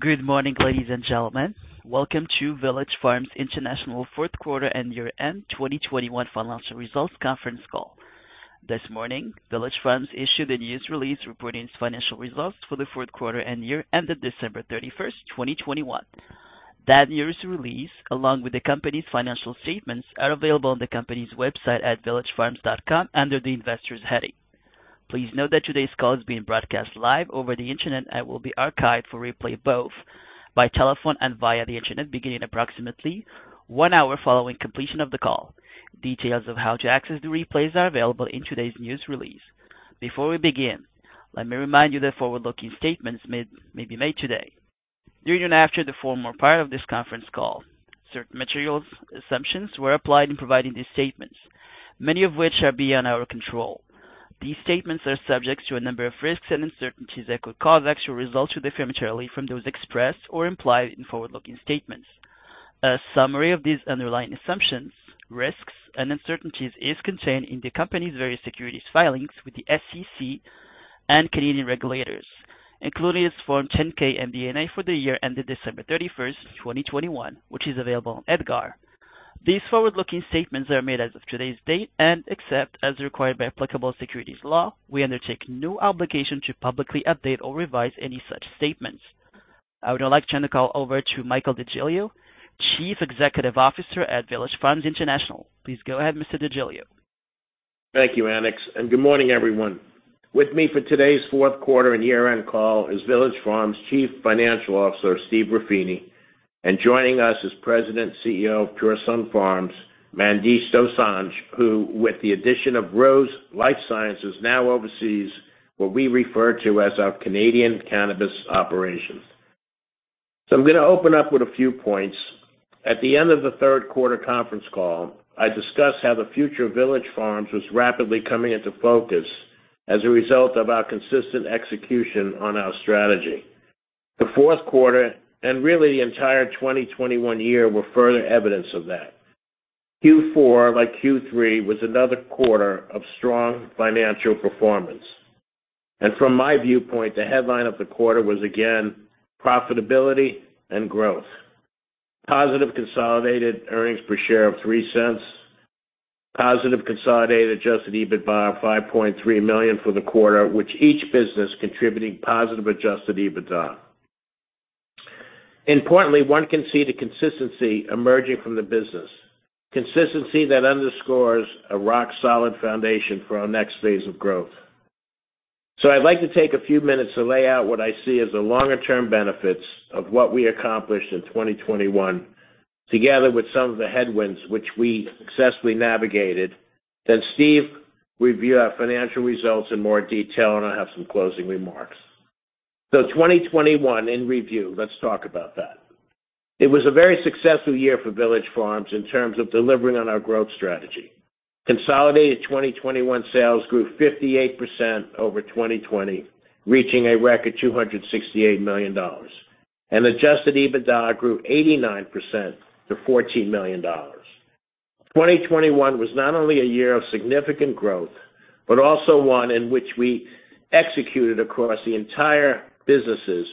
Good morning, ladies and gentlemen. Welcome to Village Farms International fourth quarter and year-end 2021 financial results conference call. This morning, Village Farms issued a news release reporting its financial results for the fourth quarter and year ended December 31st, 2021. That news release, along with the company's financial statements, are available on the company's website at villagefarms.com under the Investors heading. Please note that today's call is being broadcast live over the Internet and will be archived for replay, both by telephone and via the Internet, beginning approximately one hour following completion of the call. Details of how to access the replays are available in today's news release. Before we begin, let me remind you that forward-looking statements may be made today. During and after the formal part of this conference call, certain material assumptions were applied in providing these statements, many of which are beyond our control. These statements are subject to a number of risks and uncertainties that could cause actual results to differ materially from those expressed or implied in forward-looking statements. A summary of these underlying assumptions, risks, and uncertainties is contained in the company's various securities filings with the SEC and Canadian regulators, including its Form 10-K MD&A for the year ended December 31st, 2021, which is available on EDGAR. These forward-looking statements are made as of today's date, and except as required by applicable securities law, we undertake no obligation to publicly update or revise any such statements. I would now like to turn the call over to Michael DeGiglio, Chief Executive Officer at Village Farms International. Please go ahead, Mr. DeGiglio. Thank you, Alex, and good morning, everyone. With me for today's fourth quarter and year-end call is Village Farms Chief Financial Officer, Steve Ruffini. Joining us is President CEO of Pure Sunfarms, Mandesh Dosanjh, who, with the addition of ROSE LifeScience, now oversees what we refer to as our Canadian cannabis operations. I'm gonna open up with a few points. At the end of the third quarter conference call, I discussed how the future of Village Farms was rapidly coming into focus as a result of our consistent execution on our strategy. The fourth quarter, and really the entire 2021 year, were further evidence of that. Q4, like Q3, was another quarter of strong financial performance. From my viewpoint, the headline of the quarter was again profitability and growth. Positive consolidated earnings per share of $0.03. Positive consolidated adjusted EBITDA of $5.3 million for the quarter, with each business contributing positive adjusted EBITDA. Importantly, one can see the consistency emerging from the business. Consistency that underscores a rock-solid foundation for our next phase of growth. I'd like to take a few minutes to lay out what I see as the longer-term benefits of what we accomplished in 2021, together with some of the headwinds which we successfully navigated. Steve will review our financial results in more detail, and I'll have some closing remarks. 2021 in review, let's talk about that. It was a very successful year for Village Farms in terms of delivering on our growth strategy. Consolidated 2021 sales grew 58% over 2020, reaching a record $268 million. Adjusted EBITDA grew 89% to $14 million. 2021 was not only a year of significant growth, but also one in which we executed across the entire businesses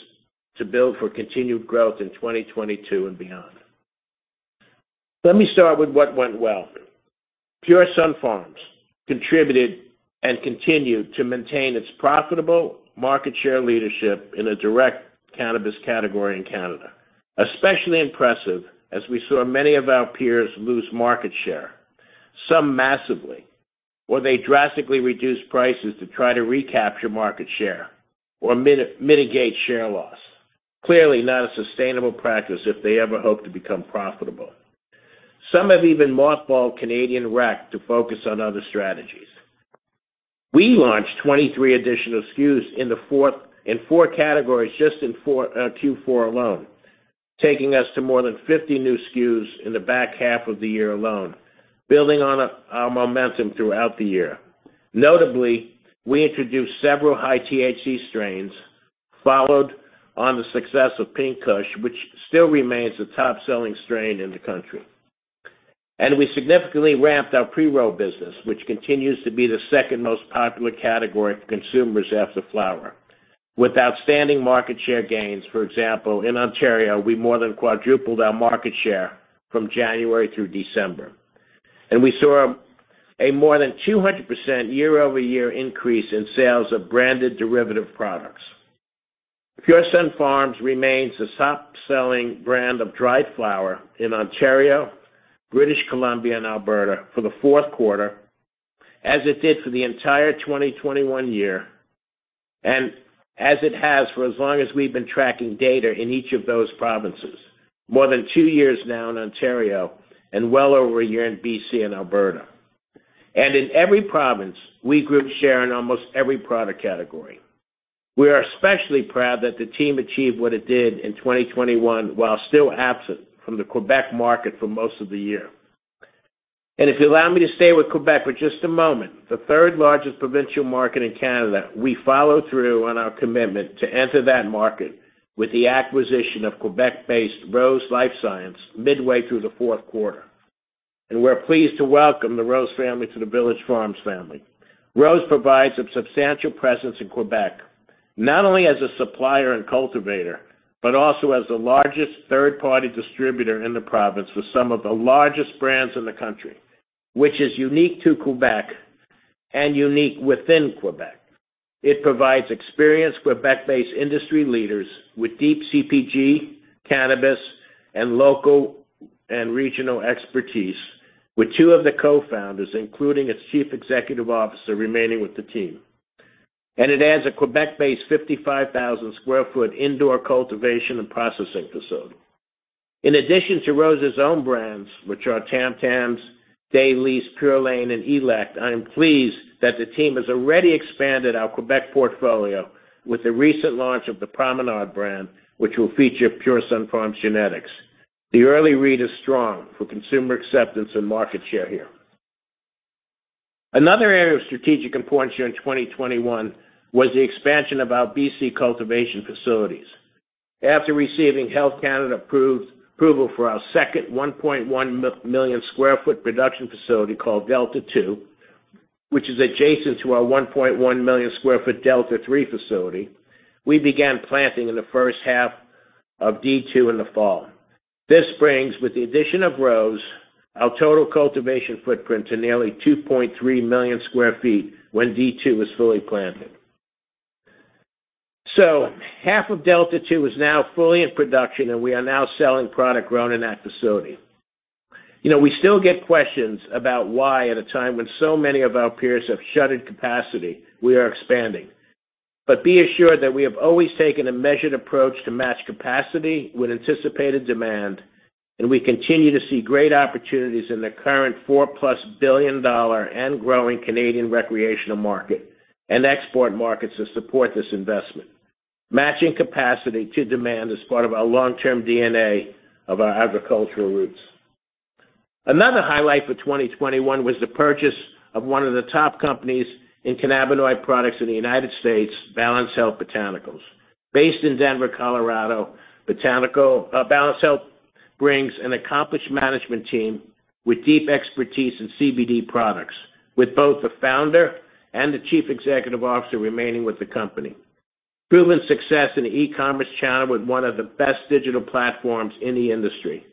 to build for continued growth in 2022 and beyond. Let me start with what went well. Pure Sunfarms contributed and continued to maintain its profitable market share leadership in the direct cannabis category in Canada. Especially impressive as we saw many of our peers lose market share, some massively, or they drastically reduced prices to try to recapture market share or mitigate share loss. Clearly not a sustainable practice if they ever hope to become profitable. Some have even mothballed Canadian rec to focus on other strategies. We launched 23 additional SKUs in four categories just in Q4 alone, taking us to more than 50 new SKUs in the back half of the year alone, building on our momentum throughout the year. Notably, we introduced several high-THC strains, followed on the success of Pink Kush, which still remains the top-selling strain in the country. We significantly ramped our pre-roll business, which continues to be the second most popular category for consumers after flower, with outstanding market share gains. For example, in Ontario, we more than quadrupled our market share from January through December. We saw a more than 200% year-over-year increase in sales of branded derivative products. Pure Sunfarms remains the top-selling brand of dried flower in Ontario, British Columbia, and Alberta for the fourth quarter, as it did for the entire 2021 year, and as it has for as long as we've been tracking data in each of those provinces. More than two years now in Ontario and well over a year in B.C. and Alberta. In every province, we grew share in almost every product category. We are especially proud that the team achieved what it did in 2021 while still absent from the Quebec market for most of the year. If you allow me to stay with Quebec for just a moment, the third largest provincial market in Canada, we follow through on our commitment to enter that market with the acquisition of Quebec-based ROSE LifeScience midway through the fourth quarter. We're pleased to welcome the ROSE family to the Village Farms family. ROSE provides a substantial presence in Quebec, not only as a supplier and cultivator, but also as the largest third-party distributor in the province with some of the largest brands in the country, which is unique to Quebec and unique within Quebec. It provides experienced Quebec-based industry leaders with deep CPG, cannabis, and local and regional expertise, with two of the co-founders, including its Chief Executive Officer, remaining with the team. It adds a Quebec-based 55,000 sq ft indoor cultivation and processing facility. In addition to ROSE's own brands, which are Tam Tams, DLYS, Pure Laine, and Elekt, I am pleased that the team has already expanded our Quebec portfolio with the recent launch of the Promenade brand, which will feature Pure Sunfarms genetics. The early read is strong for consumer acceptance and market share here. Another area of strategic importance here in 2021 was the expansion of our B.C. cultivation facilities. After receiving Health Canada approval for our second 1.1 million sq ft production facility called Delta 2, which is adjacent to our 1.1 million sq ft Delta 3 facility, we began planting in the first half of D2 in the fall. This brings, with the addition of ROSE, our total cultivation footprint to nearly 2.3 million sq ft when D2 is fully planted. Half of Delta 2 is now fully in production, and we are now selling product grown in that facility. You know, we still get questions about why at a time when so many of our peers have shuttered capacity, we are expanding. But be assured that we have always taken a measured approach to match capacity with anticipated demand, and we continue to see great opportunities in the current $4+ billion and growing Canadian recreational market and export markets that support this investment. Matching capacity to demand is part of our long-term DNA of our agricultural roots. Another highlight for 2021 was the purchase of one of the top companies in cannabinoid products in the United States, Balanced Health Botanicals. Based in Denver, Colorado, Balanced Health Botanicals brings an accomplished management team with deep expertise in CBD products, with both the founder and the chief executive officer remaining with the company. Proven success in the e-commerce channel with one of the best digital platforms in the industry.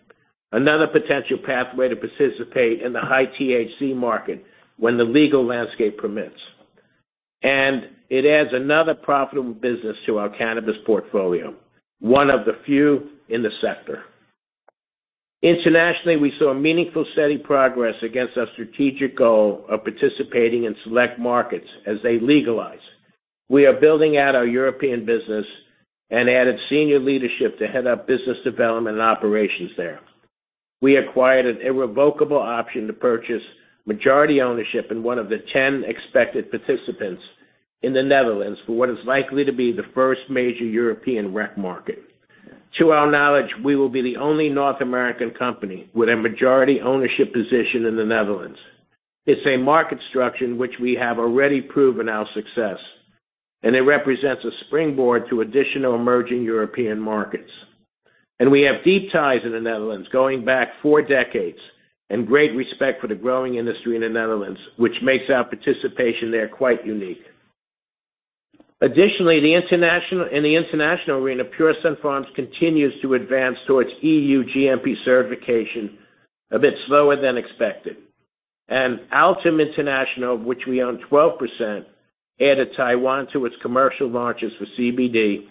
Another potential pathway to participate in the high THC market when the legal landscape permits. It adds another profitable business to our cannabis portfolio, one of the few in the sector. Internationally, we saw meaningful, steady progress against our strategic goal of participating in select markets as they legalize. We are building out our European business and added senior leadership to head up business development and operations there. We acquired an irrevocable option to purchase majority ownership in one of the 10 expected participants in the Netherlands for what is likely to be the first major European rec market. To our knowledge, we will be the only North American company with a majority ownership position in the Netherlands. It's a market structure in which we have already proven our success, and it represents a springboard to additional emerging European markets. We have deep ties in the Netherlands going back four decades and great respect for the growing industry in the Netherlands, which makes our participation there quite unique. Additionally, in the international arena, Pure Sunfarms continues to advance towards EU GMP certification a bit slower than expected. Altum International, which we own 12%, added Taiwan to its commercial launches for CBD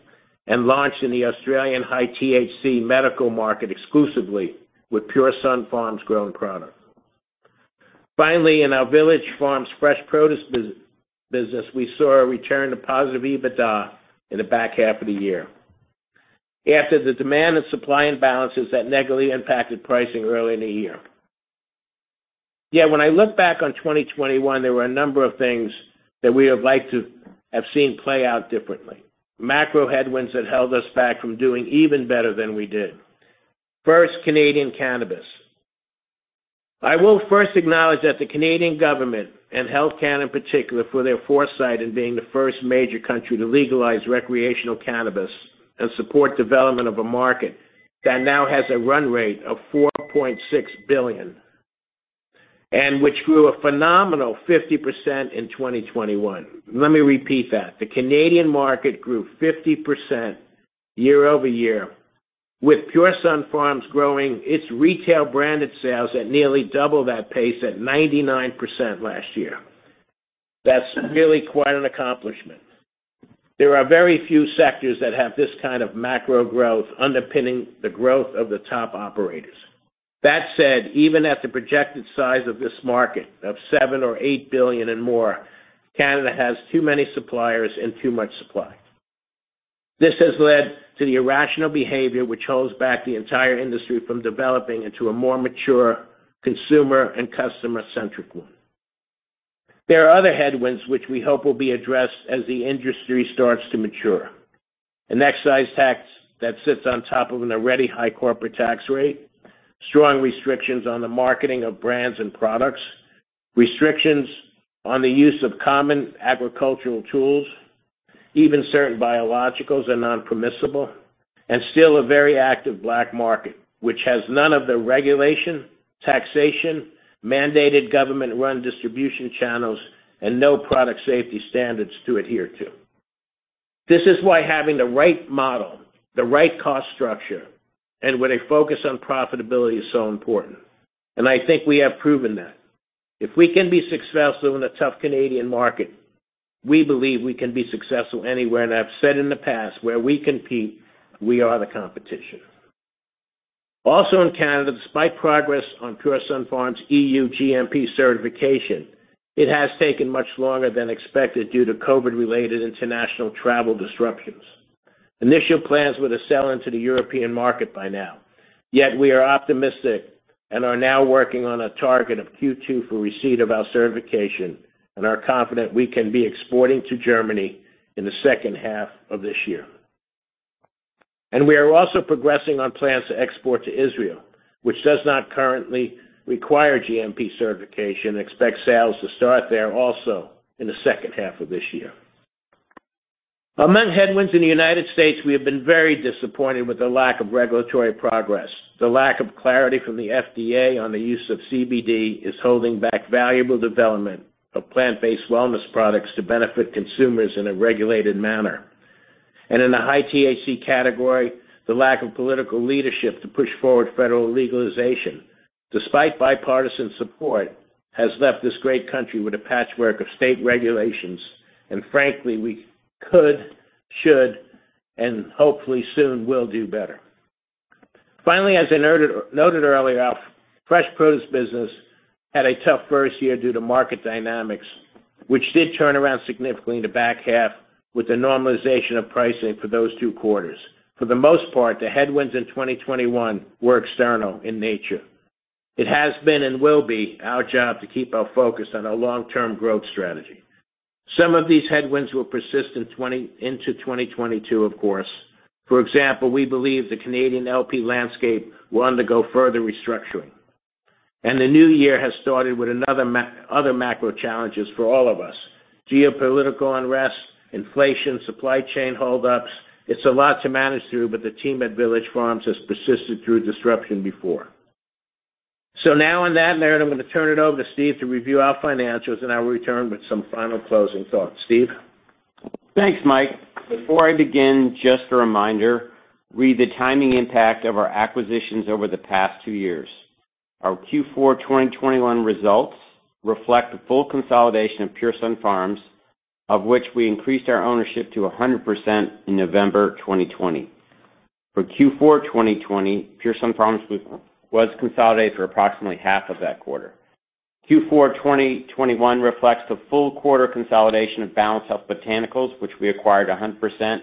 and launched in the Australian high THC medical market exclusively with Pure Sunfarms grown product. Finally, in our Village Farms Fresh Produce business, we saw a return to positive EBITDA in the back half of the year after the demand and supply imbalances that negatively impacted pricing early in the year. Yet when I look back on 2021, there were a number of things that we would like to have seen play out differently, macro headwinds that held us back from doing even better than we did. First, Canadian cannabis. I will first acknowledge that the Canadian government and Health Canada in particular for their foresight in being the first major country to legalize recreational cannabis and support development of a market that now has a run rate of $4.6 billion and which grew a phenomenal 50% in 2021. Let me repeat that. The Canadian market grew 50% year-over-year, with Pure Sunfarms growing its retail branded sales at nearly double that pace at 99% last year. That's really quite an accomplishment. There are very few sectors that have this kind of macro growth underpinning the growth of the top operators. That said, even at the projected size of this market of $7 billion or $8 billion and more, Canada has too many suppliers and too much supply. This has led to the irrational behavior which holds back the entire industry from developing into a more mature consumer and customer-centric one. There are other headwinds which we hope will be addressed as the industry starts to mature. An excise tax that sits on top of an already high corporate tax rate, strong restrictions on the marketing of brands and products, restrictions on the use of common agricultural tools. Even certain biologicals are non-permissible and still a very active black market, which has none of the regulation, taxation, mandated government-run distribution channels, and no product safety standards to adhere to. This is why having the right model, the right cost structure, and with a focus on profitability is so important. I think we have proven that. If we can be successful in a tough Canadian market, we believe we can be successful anywhere. I've said in the past, where we compete, we are the competition. Also in Canada, despite progress on Pure Sunfarms EU GMP certification, it has taken much longer than expected due to COVID-related international travel disruptions. Initial plans were to sell into the European market by now. Yet we are optimistic and are now working on a target of Q2 for receipt of our certification and are confident we can be exporting to Germany in the second half of this year. We are also progressing on plans to export to Israel, which does not currently require GMP certification. Expect sales to start there also in the second half of this year. Among headwinds in the United States, we have been very disappointed with the lack of regulatory progress. The lack of clarity from the FDA on the use of CBD is holding back valuable development of plant-based wellness products to benefit consumers in a regulated manner. In the high THC category, the lack of political leadership to push forward federal legalization, despite bipartisan support, has left this great country with a patchwork of state regulations. Frankly, we could, should, and hopefully soon will do better. Finally, as I noted earlier, our Fresh Produce business had a tough first year due to market dynamics, which did turn around significantly in the back half with the normalization of pricing for those two quarters. For the most part, the headwinds in 2021 were external in nature. It has been and will be our job to keep our focus on our long-term growth strategy. Some of these headwinds will persist into 2022, of course. For example, we believe the Canadian LP landscape will undergo further restructuring. The new year has started with other macro challenges for all of us. Geopolitical unrest, inflation, supply chain holdups. It's a lot to manage through, but the team at Village Farms has persisted through disruption before. Now on that note, I'm going to turn it over to Steve to review our financials, and I will return with some final closing thoughts. Steve? Thanks, Mike. Before I begin, just a reminder regarding the timing impact of our acquisitions over the past two years. Our Q4 2021 results reflect the full consolidation of Pure Sunfarms, of which we increased our ownership to 100% in November 2020. For Q4 2020, Pure Sunfarms was consolidated for approximately half of that quarter. Q4 2021 reflects the full quarter consolidation of Balanced Health Botanicals, which we acquired 100%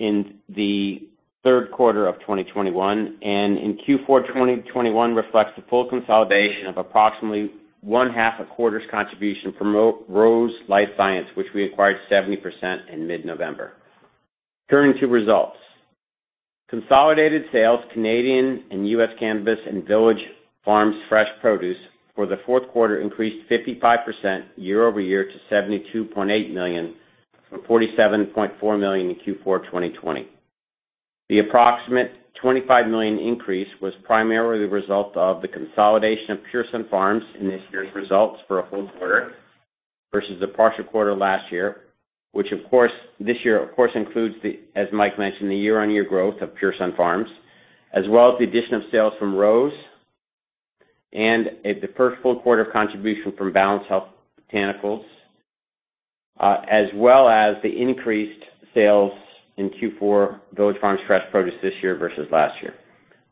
in the third quarter of 2021. In Q4 2021 reflects the full consolidation of approximately one-half a quarter's contribution from ROSE LifeScience, which we acquired 70% in mid-November. Turning to results. Consolidated sales, Canadian and U.S. cannabis, and Village Farms' Fresh Produce for the fourth quarter increased 55% year-over-year to $72.8 million, from $47.4 million in Q4 2020. The approximate $25 million increase was primarily the result of the consolidation of Pure Sunfarms in this year's results for a full quarter versus the partial quarter last year, which, of course, this year includes, as Mike mentioned, the year-on-year growth of Pure Sunfarms, as well as the addition of sales from ROSE and the first full quarter contribution from Balanced Health Botanicals, as well as the increased sales in Q4 Village Farms Fresh Produce this year versus last year.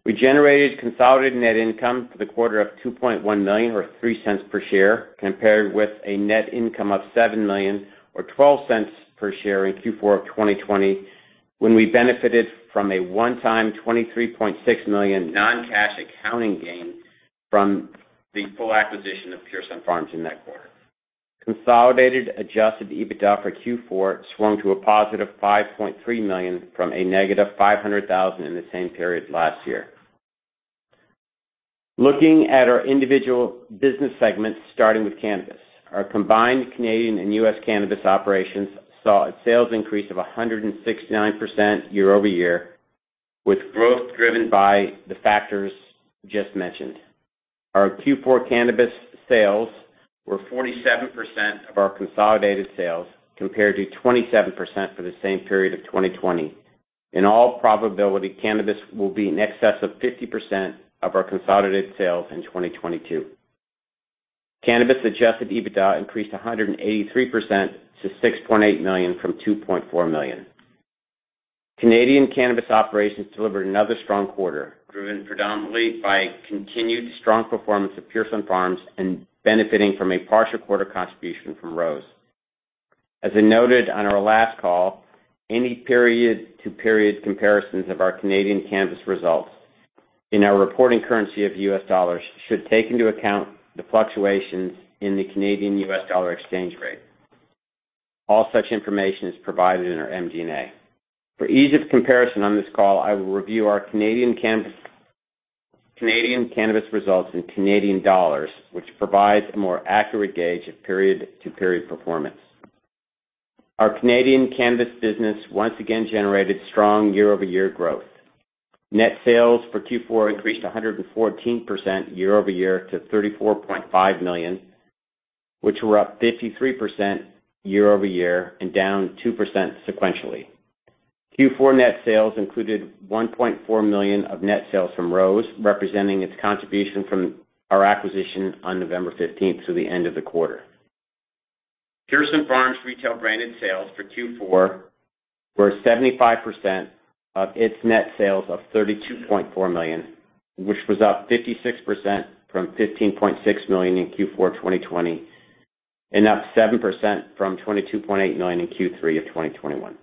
We generated consolidated net income for the quarter of $2.1 million or $0.03 per share, compared with a net income of $7 million or $0.12 per share in Q4 of 2020, when we benefited from a one-time $23.6 million non-cash accounting gain from the full acquisition of Pure Sunfarms in that quarter. Consolidated adjusted EBITDA for Q4 swung to a +$5.3 million from a -$500,000 in the same period last year. Looking at our individual business segments, starting with cannabis. Our combined Canadian and U.S. cannabis operations saw a sales increase of 169% year-over-year, with growth driven by the factors just mentioned. Our Q4 cannabis sales were 47% of our consolidated sales, compared to 27% for the same period of 2020. In all probability, cannabis will be in excess of 50% of our consolidated sales in 2022. Cannabis adjusted EBITDA increased 183% to $6.8 million from $2.4 million. Canadian cannabis operations delivered another strong quarter, driven predominantly by continued strong performance of Pure Sunfarms and benefiting from a partial quarter contribution from ROSE. As I noted on our last call, any period-to-period comparisons of our Canadian cannabis results in our reporting currency of U.S. dollars should take into account the fluctuations in the Canadian-U.S. dollar exchange rate. All such information is provided in our MD&A. For ease of comparison on this call, I will review our Canadian cannabis results in Canadian dollars, which provides a more accurate gauge of period-to-period performance. Our Canadian cannabis business once again generated strong year-over-year growth. Net sales for Q4 increased 114% year-over-year to 34.5 million, which were up 53% year-over-year and down 2% sequentially. Q4 net sales included 1.4 million of net sales from ROSE, representing its contribution from our acquisition on November 15th through the end of the quarter. Pure Sunfarms retail branded sales for Q4 were 75% of its net sales of 32.4 million, which was up 56% from 15.6 million in Q4 2020, and up 7% from 22.8 million in Q3 of 2021.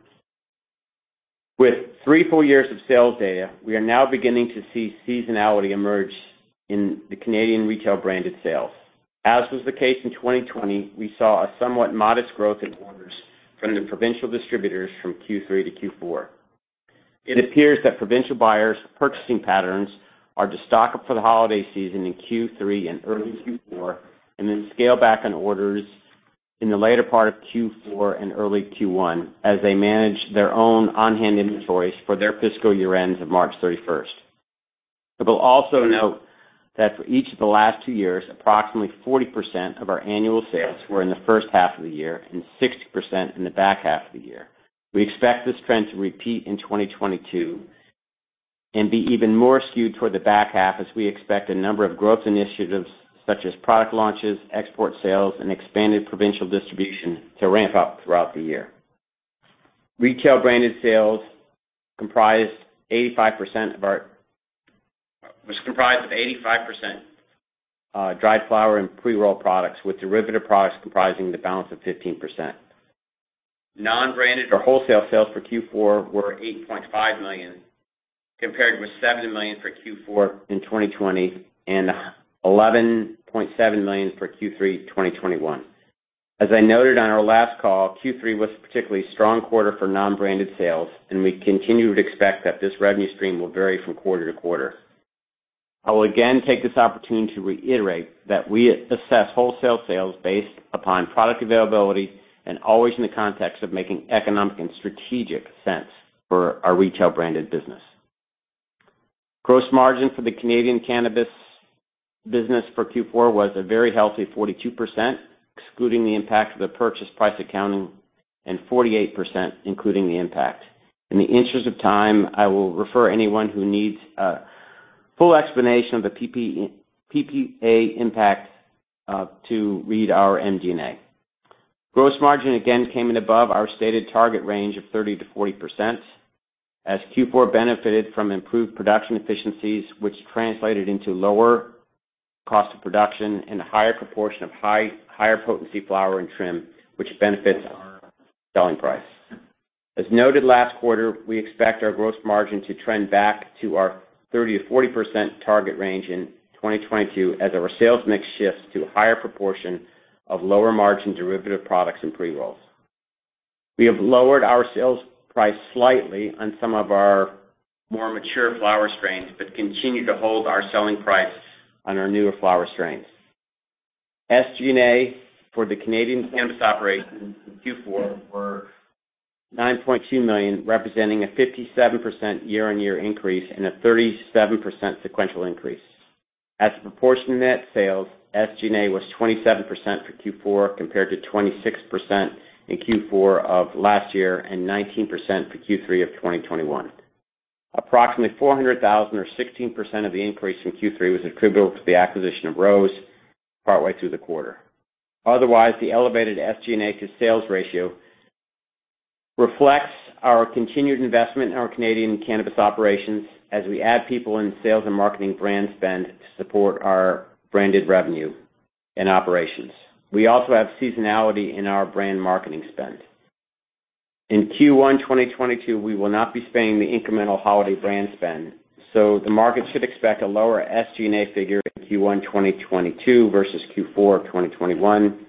With three full years of sales data, we are now beginning to see seasonality emerge in the Canadian retail branded sales. As was the case in 2020, we saw a somewhat modest growth in orders from the provincial distributors from Q3 to Q4. It appears that provincial buyers purchasing patterns are to stock up for the holiday season in Q3 and early Q4, and then scale back on orders in the later part of Q4 and early Q1 as they manage their own on-hand inventories for their fiscal year ends of March 31st. I will also note that for each of the last two years, approximately 40% of our annual sales were in the first half of the year and 60% in the back half of the year. We expect this trend to repeat in 2022 and be even more skewed toward the back half as we expect a number of growth initiatives such as product launches, export sales, and expanded provincial distribution to ramp up throughout the year. Retail branded sales was comprised of 85% dried flower and pre-roll products, with derivative products comprising the balance of 15%. Non-branded or wholesale sales for Q4 were 8.5 million, compared with 7 million for Q4 in 2020 and 11.7 million for Q3 2021. As I noted on our last call, Q3 was a particularly strong quarter for non-branded sales, and we continue to expect that this revenue stream will vary from quarter-to-quarter. I will again take this opportunity to reiterate that we assess wholesale sales based upon product availability and always in the context of making economic and strategic sense for our retail branded business. Gross margin for the Canadian cannabis business for Q4 was a very healthy 42%, excluding the impact of the purchase price accounting, and 48% including the impact. In the interest of time, I will refer anyone who needs a full explanation of the PPA impact to read our MD&A. Gross margin again came in above our stated target range of 30%-40% as Q4 benefited from improved production efficiencies, which translated into lower cost of production and a higher proportion of higher potency flower and trim, which benefits our selling price. As noted last quarter, we expect our gross margin to trend back to our 30%-40% target range in 2022 as our sales mix shifts to a higher proportion of lower margin derivative products and pre-rolls. We have lowered our sales price slightly on some of our more mature flower strains, but continue to hold our selling price on our newer flower strains. SG&A for the Canadian cannabis operations in Q4 were $9.2 million, representing a 57% year-on-year increase and a 37% sequential increase. As a proportion of net sales, SG&A was 27% for Q4, compared to 26% in Q4 of last year and 19% for Q3 of 2021. Approximately 400,000 or 16% of the increase in Q3 was attributable to the acquisition of ROSE partway through the quarter. Otherwise, the elevated SG&A to sales ratio reflects our continued investment in our Canadian cannabis operations as we add people in sales and marketing brand spend to support our branded revenue and operations. We also have seasonality in our brand marketing spend. In Q1 2022, we will not be spending the incremental holiday brand spend, so the market should expect a lower SG&A figure in Q1 2022 versus Q4 of 2021.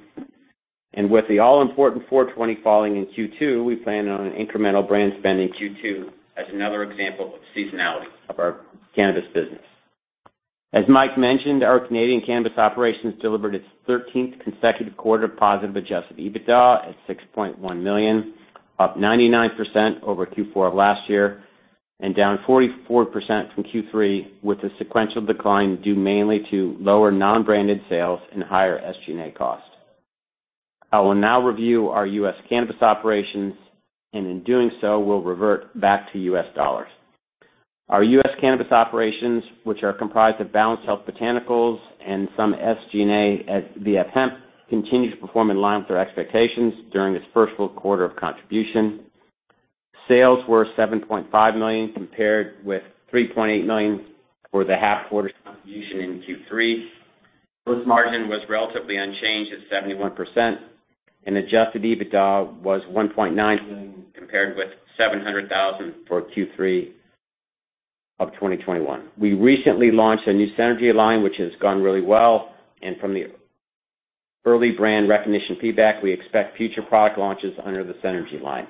With the all-important 4/20 falling in Q2, we plan on an incremental brand spend in Q2 as another example of seasonality of our cannabis business. As Mike mentioned, our Canadian cannabis operations delivered its 13th consecutive quarter of positive adjusted EBITDA at 6.1 million, up 99% over Q4 of last year and down 44% from Q3, with a sequential decline due mainly to lower non-branded sales and higher SG&A costs. I will now review our U.S. cannabis operations, and in doing so, we'll revert back to U.S. dollars. Our U.S. cannabis operations, which are comprised of Balanced Health Botanicals and some SG&A, the hemp continue to perform in line with our expectations during this first full quarter of contribution. Sales were $7.5 million, compared with $3.8 million for the half quarter contribution in Q3. Gross margin was relatively unchanged at 71%, and adjusted EBITDA was $1.9 million, compared with $700,000 for Q3 of 2021. We recently launched a new Synergy line, which has gone really well, and from the early brand recognition feedback, we expect future product launches under the Synergy line.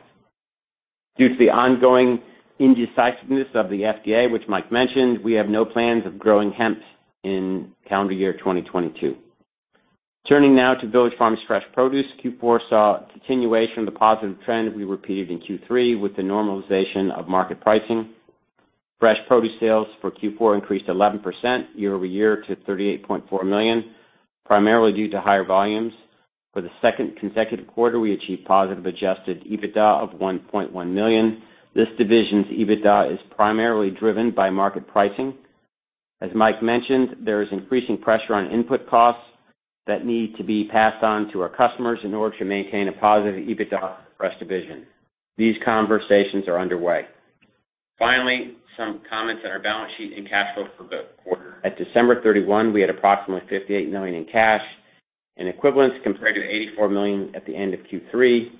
Due to the ongoing indecisiveness of the FDA, which Mike mentioned, we have no plans of growing hemp in calendar year 2022. Turning now to Village Farms Fresh Produce, Q4 saw a continuation of the positive trend we repeated in Q3 with the normalization of market pricing. Fresh Produce sales for Q4 increased 11% year-over-year to $38.4 million, primarily due to higher volumes. For the second consecutive quarter, we achieved positive adjusted EBITDA of $1.1 million. This division's EBITDA is primarily driven by market pricing. As Mike mentioned, there is increasing pressure on input costs that need to be passed on to our customers in order to maintain a positive EBITDA for Fresh division. These conversations are underway. Finally, some comments on our balance sheet and cash flow for the quarter. At December 31st, we had approximately $58 million in cash and equivalents compared to $84 million at the end of Q3,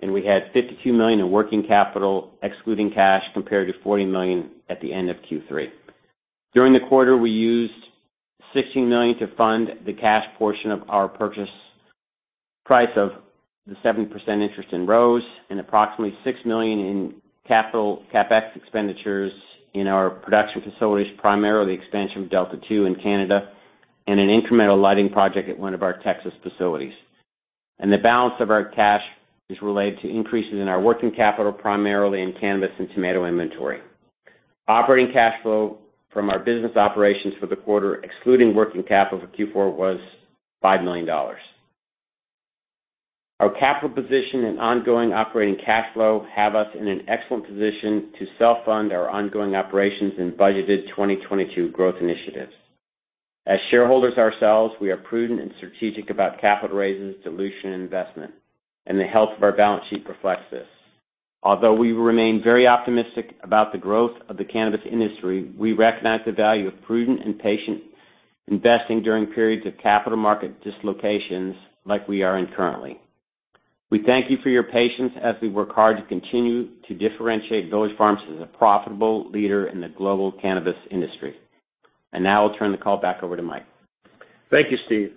and we had $52 million in working capital, excluding cash compared to $40 million at the end of Q3. During the quarter, we used $16 million to fund the cash portion of our purchase price of the 7% interest in ROSE and approximately $6 million in CapEx in our production facilities, primarily expansion of Delta 2 in Canada and an incremental lighting project at one of our Texas facilities. The balance of our cash is related to increases in our working capital, primarily in cannabis and tomato inventory. Operating cash flow from our business operations for the quarter, excluding working capital for Q4, was $5 million. Our capital position and ongoing operating cash flow have us in an excellent position to self-fund our ongoing operations in budgeted 2022 growth initiatives. As shareholders ourselves, we are prudent and strategic about capital raises, dilution, investment, and the health of our balance sheet reflects this. Although we remain very optimistic about the growth of the cannabis industry, we recognize the value of prudent and patient investing during periods of capital market dislocations like we are in currently. We thank you for your patience as we work hard to continue to differentiate Village Farms as a profitable leader in the global cannabis industry. Now I'll turn the call back over to Mike. Thank you, Steve.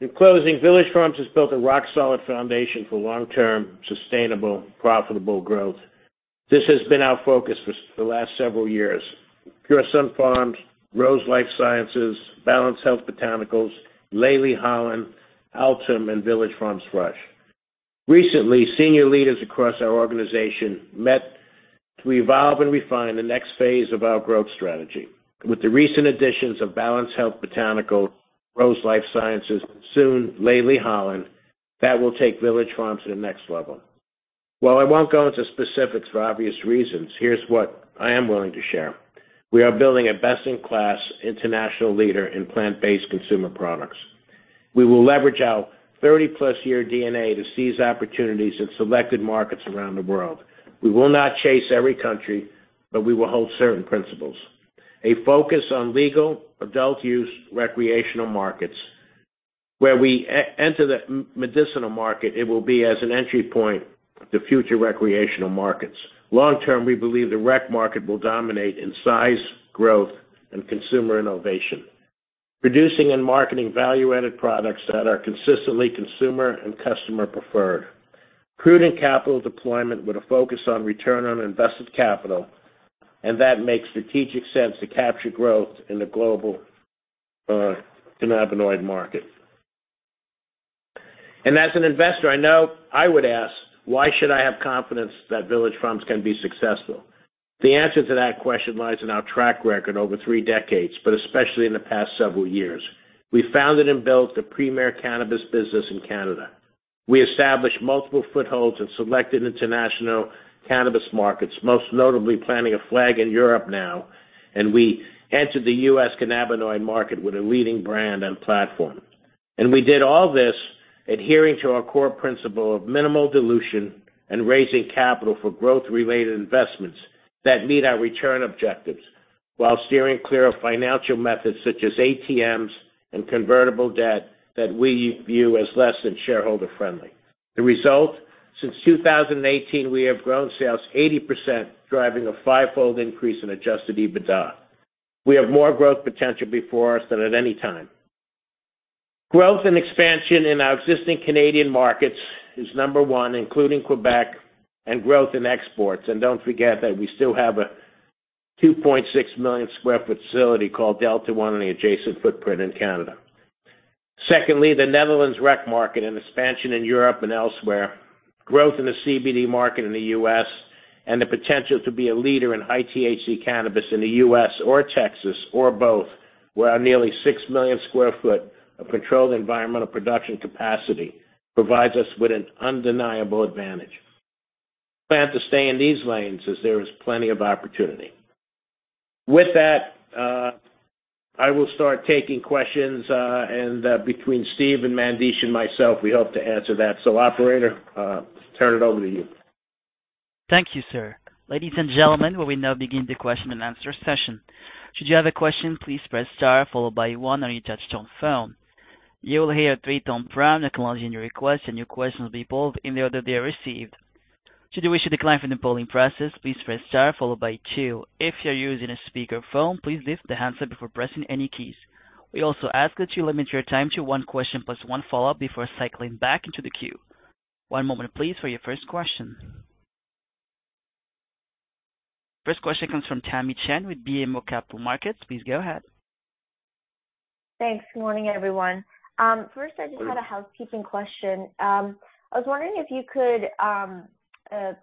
In closing, Village Farms has built a rock-solid foundation for long-term, sustainable, profitable growth. This has been our focus for the last several years. Pure Sunfarms, ROSE LifeScience, Balanced Health Botanicals, Leli Holland, Altum, and Village Farms Fresh. Recently, senior leaders across our organization met to evolve and refine the next phase of our growth strategy. With the recent additions of Balanced Health Botanicals, ROSE LifeScience, soon Leli Holland, that will take Village Farms to the next level. While I won't go into specifics for obvious reasons, here's what I am willing to share. We are building a best-in-class international leader in plant-based consumer products. We will leverage our 30+ years DNA to seize opportunities in selected markets around the world. We will not chase every country, but we will hold certain principles. A focus on legal adult use recreational markets. Where we enter the medicinal market, it will be as an entry point to future recreational markets. Long-term, we believe the rec market will dominate in size, growth, and consumer innovation. Producing and marketing value-added products that are consistently consumer and customer preferred. Prudent capital deployment with a focus on return on invested capital and that makes strategic sense to capture growth in the global cannabinoid market. As an investor, I know I would ask, "Why should I have confidence that Village Farms can be successful?" The answer to that question lies in our track record over three decades, but especially in the past several years. We founded and built the premier cannabis business in Canada. We established multiple footholds in selected international cannabis markets, most notably planting a flag in Europe now, and we entered the U.S. cannabinoid market with a leading brand and platform. We did all this adhering to our core principle of minimal dilution and raising capital for growth-related investments that meet our return objectives while steering clear of financial methods such as ATMs and convertible debt that we view as less than shareholder friendly. The result, since 2018, we have grown sales 80%, driving a five-fold increase in adjusted EBITDA. We have more growth potential before us than at any time. Growth and expansion in our existing Canadian markets is number one, including Quebec and growth in exports. Don't forget that we still have a 2.6 million sq ft facility called Delta 1 on the adjacent footprint in Canada. Secondly, the Netherlands rec market and expansion in Europe and elsewhere. Growth in the CBD market in the U.S. and the potential to be a leader in high THC cannabis in the U.S. or Texas or both, where our nearly 6 million sq ft of controlled environmental production capacity provides us with an undeniable advantage. Plan to stay in these lanes as there is plenty of opportunity. With that, I will start taking questions, and between Steve and Mandesh and myself, we hope to answer that. Operator, turn it over to you. Thank you, sir. Ladies and gentlemen, we will now begin the question-and-answer session. Should you have a question, please press star followed by one on your touch-tone phone. You will hear a three-tone prompt acknowledging your request, and your question will be pulled in the order they are received. Should you wish to decline from the polling process, please press star followed by two. If you're using a speaker phone, please lift the handset before pressing any keys. We also ask that you limit your time to one question plus one follow-up before cycling back into the queue. One moment, please, for your first question. First question comes from Tamy Chen with BMO Capital Markets. Please go ahead. Thanks. Good morning, everyone. First, I just had a housekeeping question. I was wondering if you could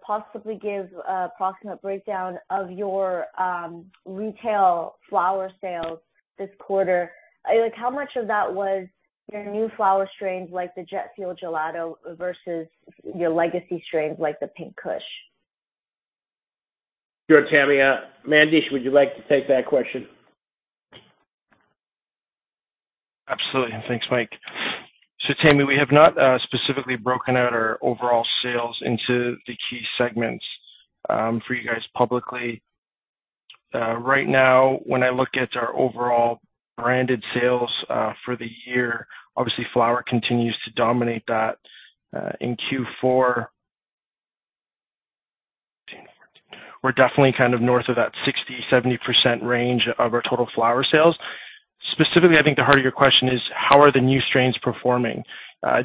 possibly give an approximate breakdown of your retail flower sales this quarter. Like, how much of that was your new flower strains, like the Jet Fuel Gelato versus your legacy strains, like the Pink Kush? Sure, Tamy. Mandesh, would you like to take that question? Absolutely. Thanks, Mike. Tamy, we have not specifically broken out our overall sales into the key segments for you guys publicly. Right now, when I look at our overall branded sales for the year, obviously, flower continues to dominate that in Q4. We're definitely kind of north of that 60%-70% range of our total flower sales. Specifically, I think the heart of your question is, how are the new strains performing?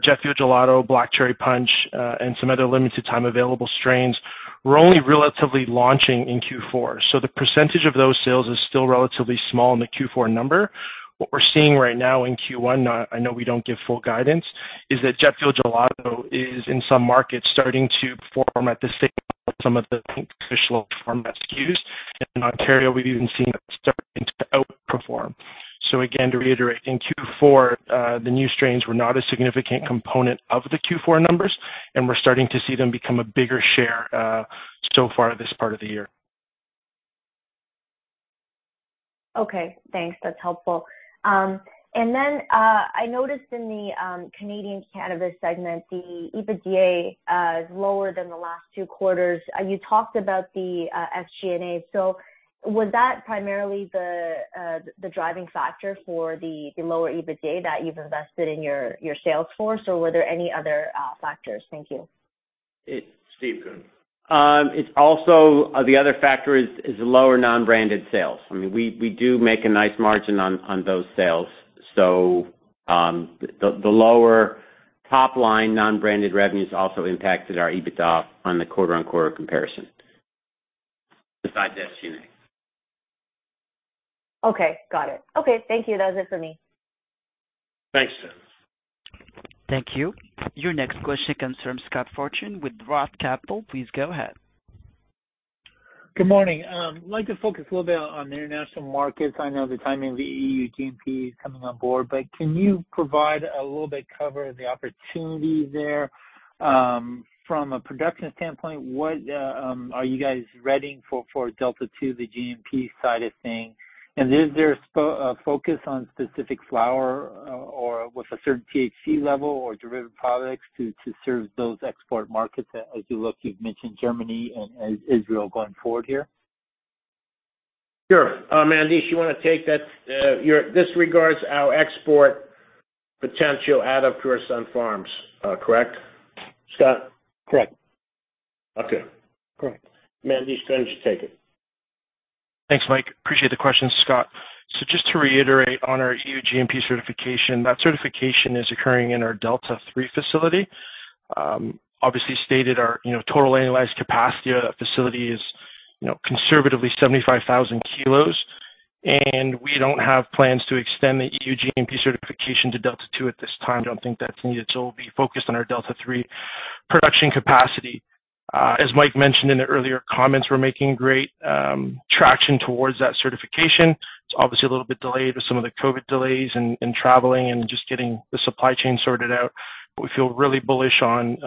Jet Fuel Gelato, Black Cherry Punch and some other limited time available strains were only recently launching in Q4. The percentage of those sales is still relatively small in the Q4 number. What we're seeing right now in Q1, I know we don't give full guidance, is that Jet Fuel Gelato is, in some markets, starting to perform at the same level as some of the Pink Kush SKUs. In Ontario, we've even seen them starting to outperform. Again, to reiterate, in Q4, the new strains were not a significant component of the Q4 numbers, and we're starting to see them become a bigger share, so far this part of the year. Okay, thanks. That's helpful. I noticed in the Canadian cannabis segment, the EBITDA is lower than the last two quarters. You talked about the SG&A. Was that primarily the driving factor for the lower EBITDA that you've invested in your sales force, or were there any other factors? Thank you. Steve, go on. It's also the other factor is lower non-branded sales. I mean, we do make a nice margin on those sales. The lower top line non-branded revenues also impacted our EBITDA on the quarter-on-quarter comparison, besides the SG&A. Okay. Got it, thank you. That was it for me. Thanks, Tamy. Thank you. Your next question comes from Scott Fortune with Roth Capital. Please go ahead. Good morning. I'd like to focus a little bit on the international markets. I know the timing of the EU GMP is coming on board, but can you provide a little bit coverage of the opportunity there, from a production standpoint, what are you guys ready for Delta 2, the GMP side of things? Is there a focus on specific flower or with a certain THC level or derivative products to serve those export markets as you look, you've mentioned Germany and Israel going forward here? Sure. Mandesh, you wanna take that? This regards our export potential out of Pure Sunfarms, correct, Scott? Correct. Okay. Mandesh, go ahead and take it. Thanks, Mike. Appreciate the question, Scott. Just to reiterate on our EU GMP certification, that certification is occurring in our Delta 3 facility. Obviously, as stated, our you know total annualized capacity of that facility is, you know, conservatively 75,000 kilos. We don't have plans to extend the EU GMP certification to Delta 2 at this time. Don't think that's needed. We'll be focused on our Delta 3 production capacity. As Mike mentioned in the earlier comments, we're making great traction towards that certification. It's obviously a little bit delayed with some of the COVID delays and traveling and just getting the supply chain sorted out. We feel really bullish on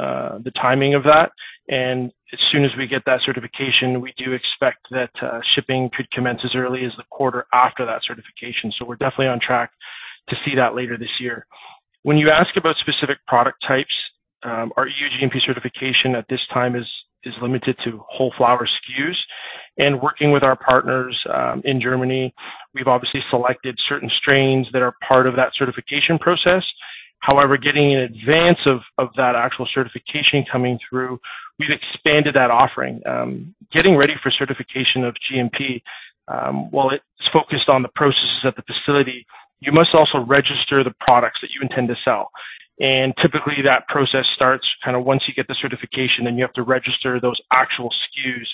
the timing of that. As soon as we get that certification, we do expect that shipping could commence as early as the quarter after that certification. We're definitely on track to see that later this year. When you ask about specific product types, our EU GMP certification at this time is limited to whole flower SKUs. Working with our partners in Germany, we've obviously selected certain strains that are part of that certification process. However, getting in advance of that actual certification coming through, we've expanded that offering. Getting ready for certification of GMP, while it's focused on the processes at the facility, you must also register the products that you intend to sell. Typically that process starts kinda once you get the certification, then you have to register those actual SKUs,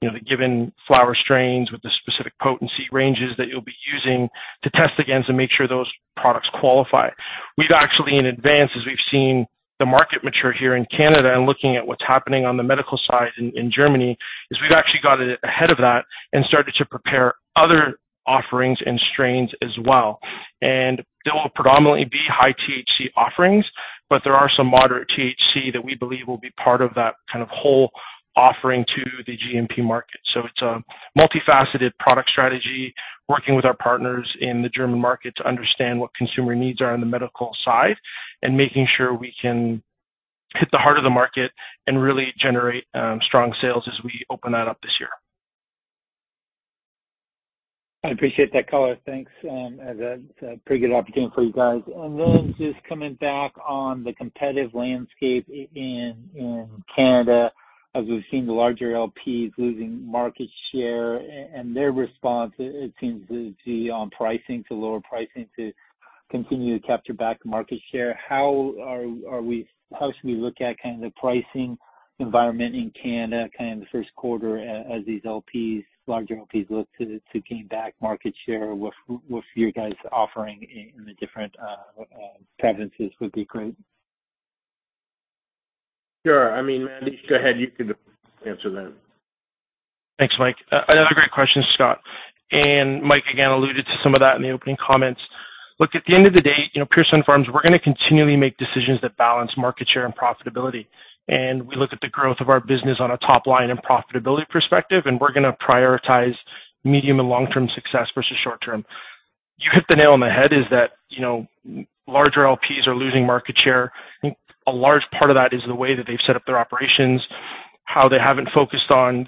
you know, the given flower strains with the specific potency ranges that you'll be using to test against and make sure those products qualify. We've actually in advance, as we've seen the market mature here in Canada and looking at what's happening on the medical side in Germany, is we've actually got it ahead of that and started to prepare other offerings and strains as well. They will predominantly be high THC offerings, but there are some moderate THC that we believe will be part of that kind of whole offering to the GMP market. It's a multifaceted product strategy, working with our partners in the German market to understand what consumer needs are on the medical side and making sure we can hit the heart of the market and really generate strong sales as we open that up this year. I appreciate that color. Thanks. It's a pretty good opportunity for you guys. Then just coming back on the competitive landscape in Canada. As we've seen the larger LPs losing market share and their response, it seems to be on pricing, to lower pricing, to continue to capture back market share. How should we look at kind of the pricing environment in Canada kind of in the first quarter as these larger LPs look to gain back market share, what are you guys offering in the different niches would be great. Sure. I mean, Mandesh, go ahead, you can answer that. Thanks, Mike. Another great question, Scott. Mike, again, alluded to some of that in the opening comments. Look, at the end of the day, you know, Pure Sunfarms, we're gonna continually make decisions that balance market share and profitability. We look at the growth of our business on a top line and profitability perspective, and we're gonna prioritize medium and long-term success versus short-term. You hit the nail on the head, is that, you know, larger LPs are losing market share. A large part of that is the way that they've set up their operations, how they haven't focused on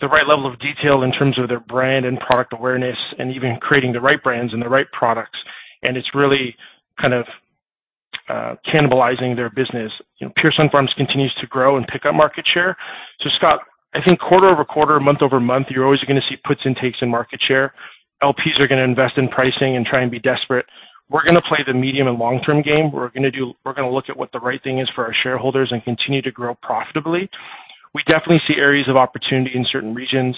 the right level of detail in terms of their brand and product awareness and even creating the right brands and the right products. It's really kind of, cannibalizing their business. You know, Pure Sunfarms continues to grow and pick up market share. Scott, I think quarter-over-quarter, month-over-month, you're always gonna see puts and takes in market share. LPs are gonna invest in pricing and try and be desperate. We're gonna play the medium and long-term game. We're gonna look at what the right thing is for our shareholders and continue to grow profitably. We definitely see areas of opportunity in certain regions.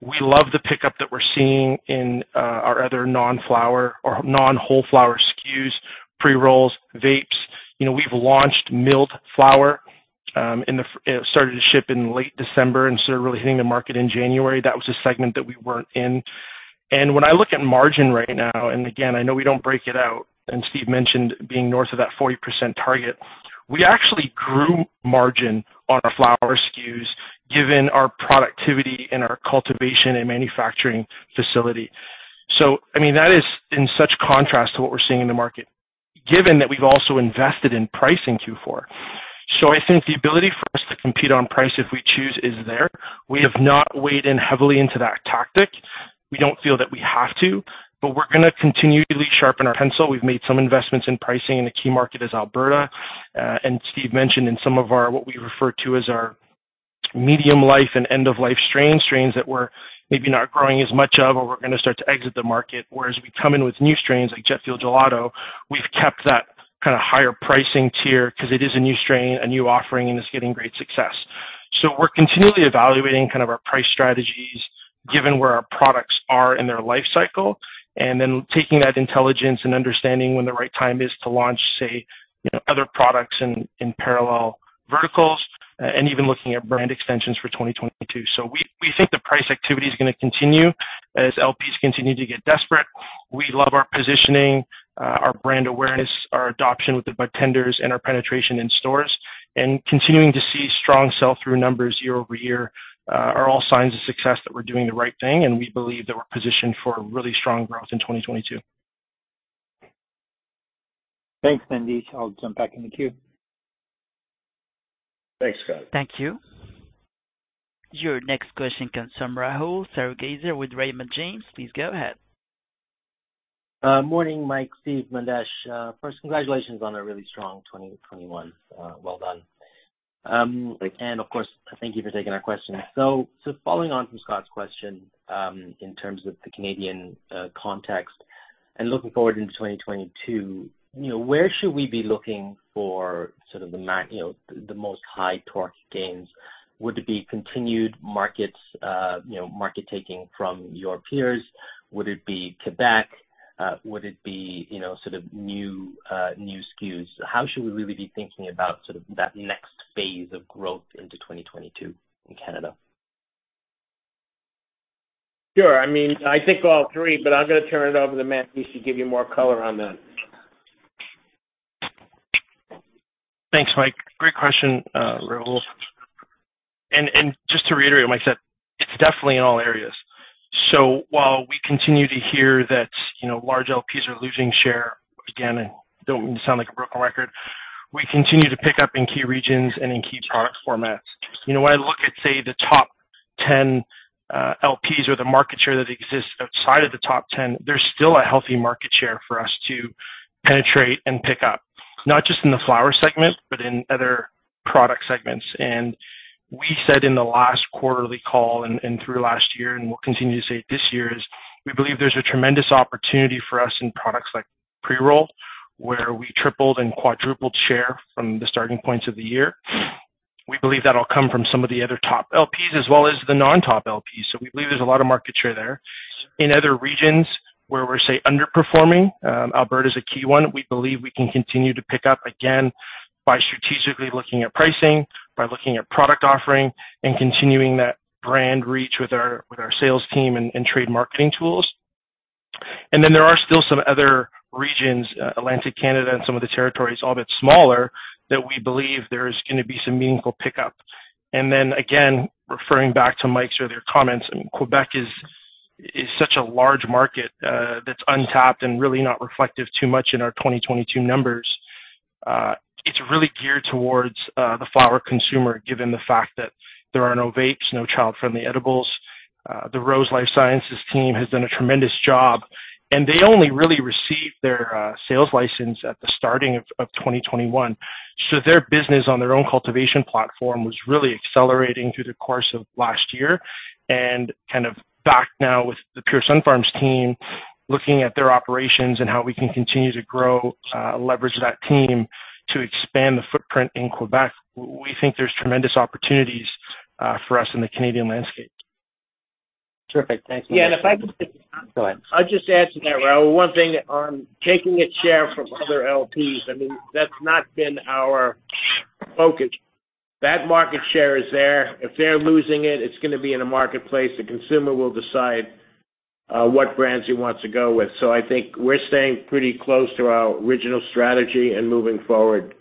We love the pickup that we're seeing in our other non-flower or non-whole flower SKUs, pre-rolls, vapes. You know, we've launched milled flower, it started to ship in late December and started really hitting the market in January. That was a segment that we weren't in. When I look at margin right now, and again, I know we don't break it out, and Steve mentioned being north of that 40% target, we actually grew margin on our flower SKUs given our productivity and our cultivation and manufacturing facility. I mean, that is in such contrast to what we're seeing in the market, given that we've also invested in pricing Q4. I think the ability for us to compete on price if we choose is there. We have not weighed in heavily into that tactic. We don't feel that we have to, but we're gonna continually sharpen our pencil. We've made some investments in pricing in the key market as Alberta. Steve mentioned in some of our, what we refer to as our medium life and end of life strains that we're maybe not growing as much of or we're gonna start to exit the market. Whereas we come in with new strains like Jet Fuel Gelato, we've kept that kind of higher pricing tier because it is a new strain, a new offering, and it's getting great success. We're continually evaluating kind of our price strategies given where our products are in their life cycle, and then taking that intelligence and understanding when the right time is to launch, say, you know, other products in parallel verticals, and even looking at brand extensions for 2022. We think the price activity is gonna continue as LPs continue to get desperate. We love our positioning, our brand awareness, our adoption with the budtenders and our penetration in stores, and continuing to see strong sell-through numbers year over year, are all signs of success that we're doing the right thing, and we believe that we're positioned for really strong growth in 2022. Thanks, Mandesh. I'll jump back in the queue. Thanks, Scott. Thank you. Your next question comes from Rahul Sarugaser with Raymond James. Please go ahead. Morning, Mike, Steve, Mandesh. First, congratulations on a really strong 2021. Well done. Of course, thank you for taking our question. Following on from Scott's question, in terms of the Canadian context and looking forward into 2022, you know, where should we be looking for you know, the most high torque gains? Would it be continued markets, you know, market taking from your peers? Would it be Quebec? Would it be, you know, sort of new SKUs? How should we really be thinking about sort of that next phase of growth into 2022 in Canada? Sure. I mean, I think all three, but I'm gonna turn it over to Mandesh to give you more color on that. Thanks, Mike. Great question, Rahul. Just to reiterate what Mike said, it's definitely in all areas. While we continue to hear that, you know, large LPs are losing share, again, I don't mean to sound like a broken record, we continue to pick up in key regions and in key product formats. You know, when I look at, say, the top 10 LPs or the market share that exists outside of the top 10, there's still a healthy market share for us to penetrate and pick up, not just in the flower segment, but in other product segments. We said in the last quarterly call and through last year, and we'll continue to say it this year, is we believe there's a tremendous opportunity for us in products like pre-roll, where we tripled and quadrupled share from the starting points of the year. We believe that'll come from some of the other top LPs as well as the non-top LPs. We believe there's a lot of market share there. In other regions where we're, say, underperforming, Alberta is a key one, we believe we can continue to pick up again by strategically looking at pricing, by looking at product offering and continuing that brand reach with our sales team and trade marketing tools. Then there are still some other regions, Atlantic Canada and some of the territories, albeit smaller, that we believe there is gonna be some meaningful pickup. Then again, referring back to Mike's earlier comments, Quebec is such a large market that's untapped and really not reflective too much in our 2022 numbers. It's really geared towards the flower consumer, given the fact that there are no vapes, no child-friendly edibles. The ROSE LifeScience team has done a tremendous job, and they only really received their sales license at the start of 2021. Their business on their own cultivation platform was really accelerating through the course of last year. Kind of back now with the Pure Sunfarms team, looking at their operations and how we can continue to grow, leverage that team to expand the footprint in Quebec, we think there's tremendous opportunities for us in the Canadian landscape. Terrific. Thanks. Yeah, if I could- Go ahead. I'll just add to that, Rahul, one thing on taking a share from other LPs. I mean, that's not been our focus. That market share is there. If they're losing it's gonna be in a marketplace. The consumer will decide what brands he wants to go with. I think we're staying pretty close to our original strategy and moving forward.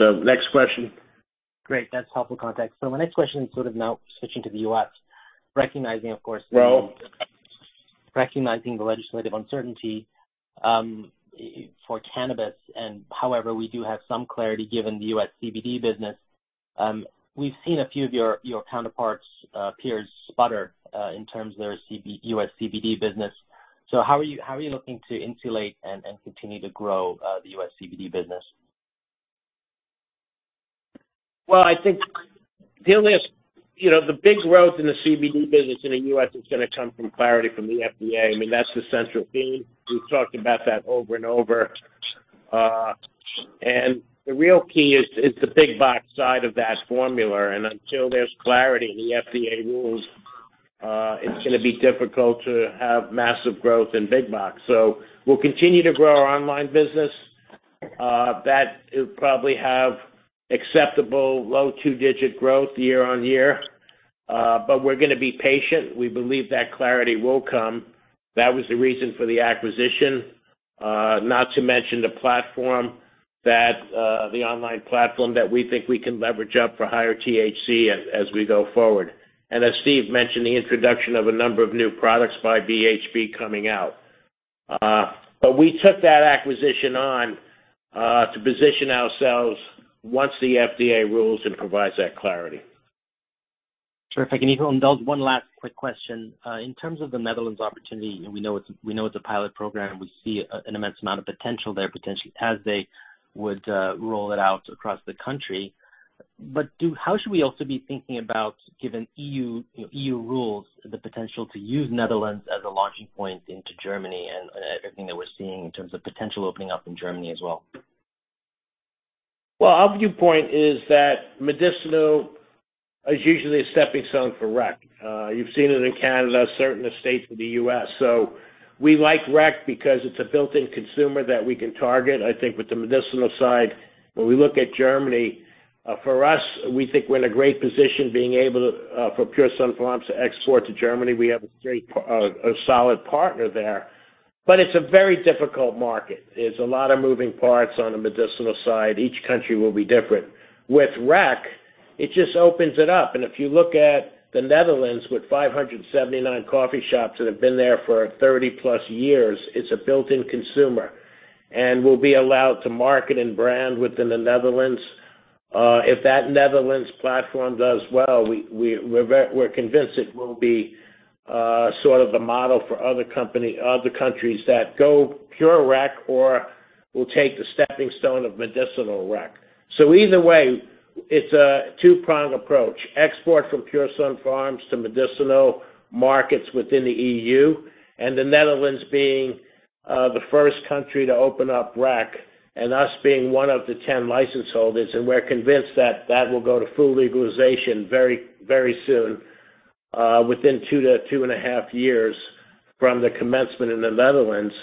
Next question. Great. That's helpful context. My next question is sort of now switching to the U.S., recognizing, of course, recognizing the legislative uncertainty for cannabis, however we do have some clarity given the U.S. CBD business. We've seen a few of your counterparts, peers sputter in terms of their U.S. CBD business. How are you looking to insulate and continue to grow the U.S. CBD business? I think the only, you know, the big growth in the CBD business in the U.S. is gonna come from clarity from the FDA. I mean, that's the central theme. We've talked about that over and over. The real key is the big box side of that formula, and until there's clarity in the FDA rules, it's gonna be difficult to have massive growth in big box. We'll continue to grow our online business. That it will probably have acceptable low two-digit growth year-over-year. We're gonna be patient. We believe that clarity will come. That was the reason for the acquisition. Not to mention the platform that, the online platform that we think we can leverage up for higher THC as we go forward. As Steve mentioned, the introduction of a number of new products by BHB coming out. We took that acquisition on, to position ourselves once the FDA rules and provides that clarity. Terrific. If you'll indulge one last quick question. In terms of the Netherlands opportunity, we know it's a pilot program. We see an immense amount of potential there, potentially as they would roll it out across the country. How should we also be thinking about given EU, you know, EU rules, the potential to use Netherlands as a launching point into Germany and everything that we're seeing in terms of potential opening up in Germany as well? Well, our viewpoint is that medicinal is usually a stepping stone for rec. You've seen it in Canada, certain states in the U.S. We like rec because it's a built-in consumer that we can target. I think with the medicinal side, when we look at Germany, for us, we think we're in a great position being able to for Pure Sunfarms to export to Germany. We have a great, solid partner there. But it's a very difficult market. There's a lot of moving parts on the medicinal side. Each country will be different. With rec, it just opens it up. If you look at the Netherlands with 579 coffee shops that have been there for 30+ years, it's a built-in consumer. We'll be allowed to market and brand within the Netherlands. If that Netherlands platform does well, we're convinced it will be sort of the model for other countries that go pure rec or will take the stepping stone of medicinal rec. Either way, it's a two-pronged approach. Export from Pure Sunfarms to medicinal markets within the EU, and the Netherlands being the first country to open up rec, and us being one of the 10 license holders, and we're convinced that that will go to full legalization very, very soon, within 2-2.5 years from the commencement in the Netherlands.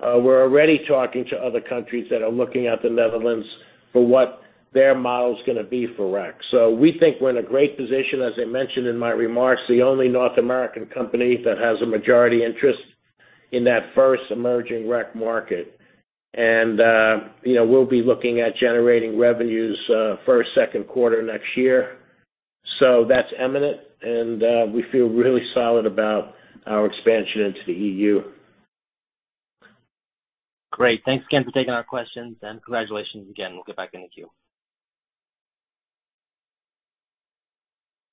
We're already talking to other countries that are looking at the Netherlands for what their model is gonna be for rec. We think we're in a great position. As I mentioned in my remarks, the only North American company that has a majority interest in that first emerging rec market. We'll be looking at generating revenues for our second quarter next year. That's imminent, and we feel really solid about our expansion into the EU. Great. Thanks again for taking our questions, and congratulations again. We'll get back in the queue.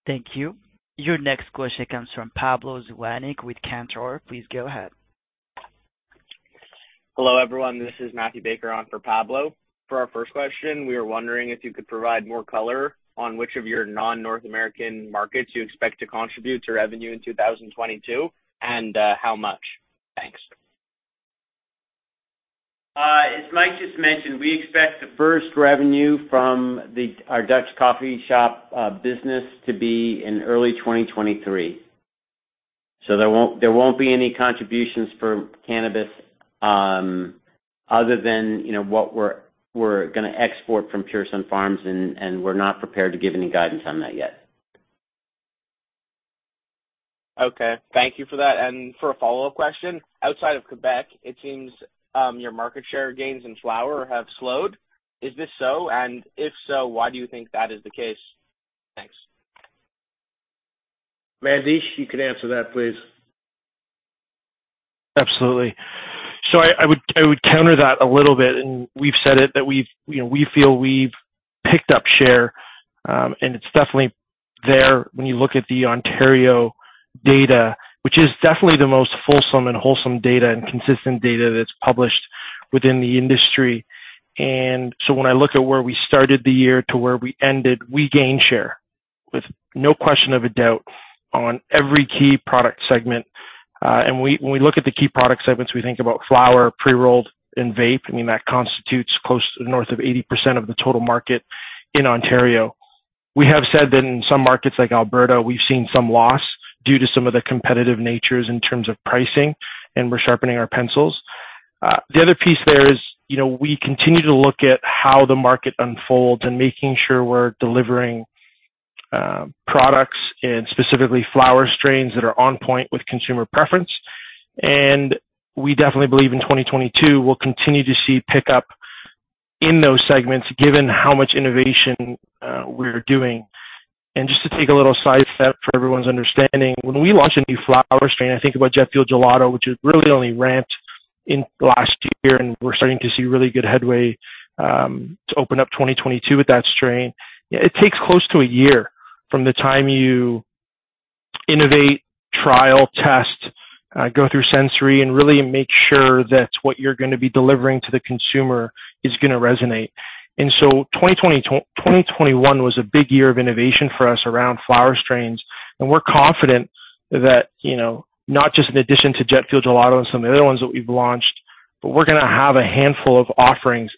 Thank you. Your next question comes from Pablo Zuanic with Cantor. Please go ahead. Hello, everyone, this is Matthew Baker on for Pablo. For our first question, we were wondering if you could provide more color on which of your non-North American markets you expect to contribute to revenue in 2022, and how much? Thanks. As Mike just mentioned, we expect the first revenue from our Dutch coffee shop business to be in early 2023. There won't be any contributions for cannabis, other than, you know, what we're gonna export from Pure Sunfarms, and we're not prepared to give any guidance on that yet. Okay. Thank you for that. For a follow-up question, outside of Quebec, it seems your market share gains in flower have slowed. Is this so? If so, why do you think that is the case? Thanks. Mandesh, you can answer that, please. Absolutely. I would counter that a little bit, and we've said it that we've, you know, we feel we've picked up share, and it's definitely there when you look at the Ontario data, which is definitely the most fulsome and wholesome data and consistent data that's published within the industry. When I look at where we started the year to where we ended, we gained share with no question of a doubt on every key product segment. When we look at the key product segments, we think about flower, pre-rolled and vape. I mean, that constitutes close to north of 80% of the total market in Ontario. We have said that in some markets like Alberta, we've seen some loss due to some of the competitive natures in terms of pricing, and we're sharpening our pencils. The other piece there is, you know, we continue to look at how the market unfolds and making sure we're delivering, products and specifically flower strains that are on point with consumer preference. We definitely believe in 2022, we'll continue to see pickup in those segments given how much innovation we're doing. Just to take a little side step for everyone's understanding, when we launch a new flower strain, I think about Jet Fuel Gelato, which is really only ramped in last year, and we're starting to see really good headway to open up 2022 with that strain. It takes close to a year from the time you innovate, trial, test, go through sensory and really make sure that what you're gonna be delivering to the consumer is gonna resonate. 2021 was a big year of innovation for us around flower strains, and we're confident that, you know, not just in addition to Jet Fuel Gelato and some of the other ones that we've launched, but we're gonna have a handful of offerings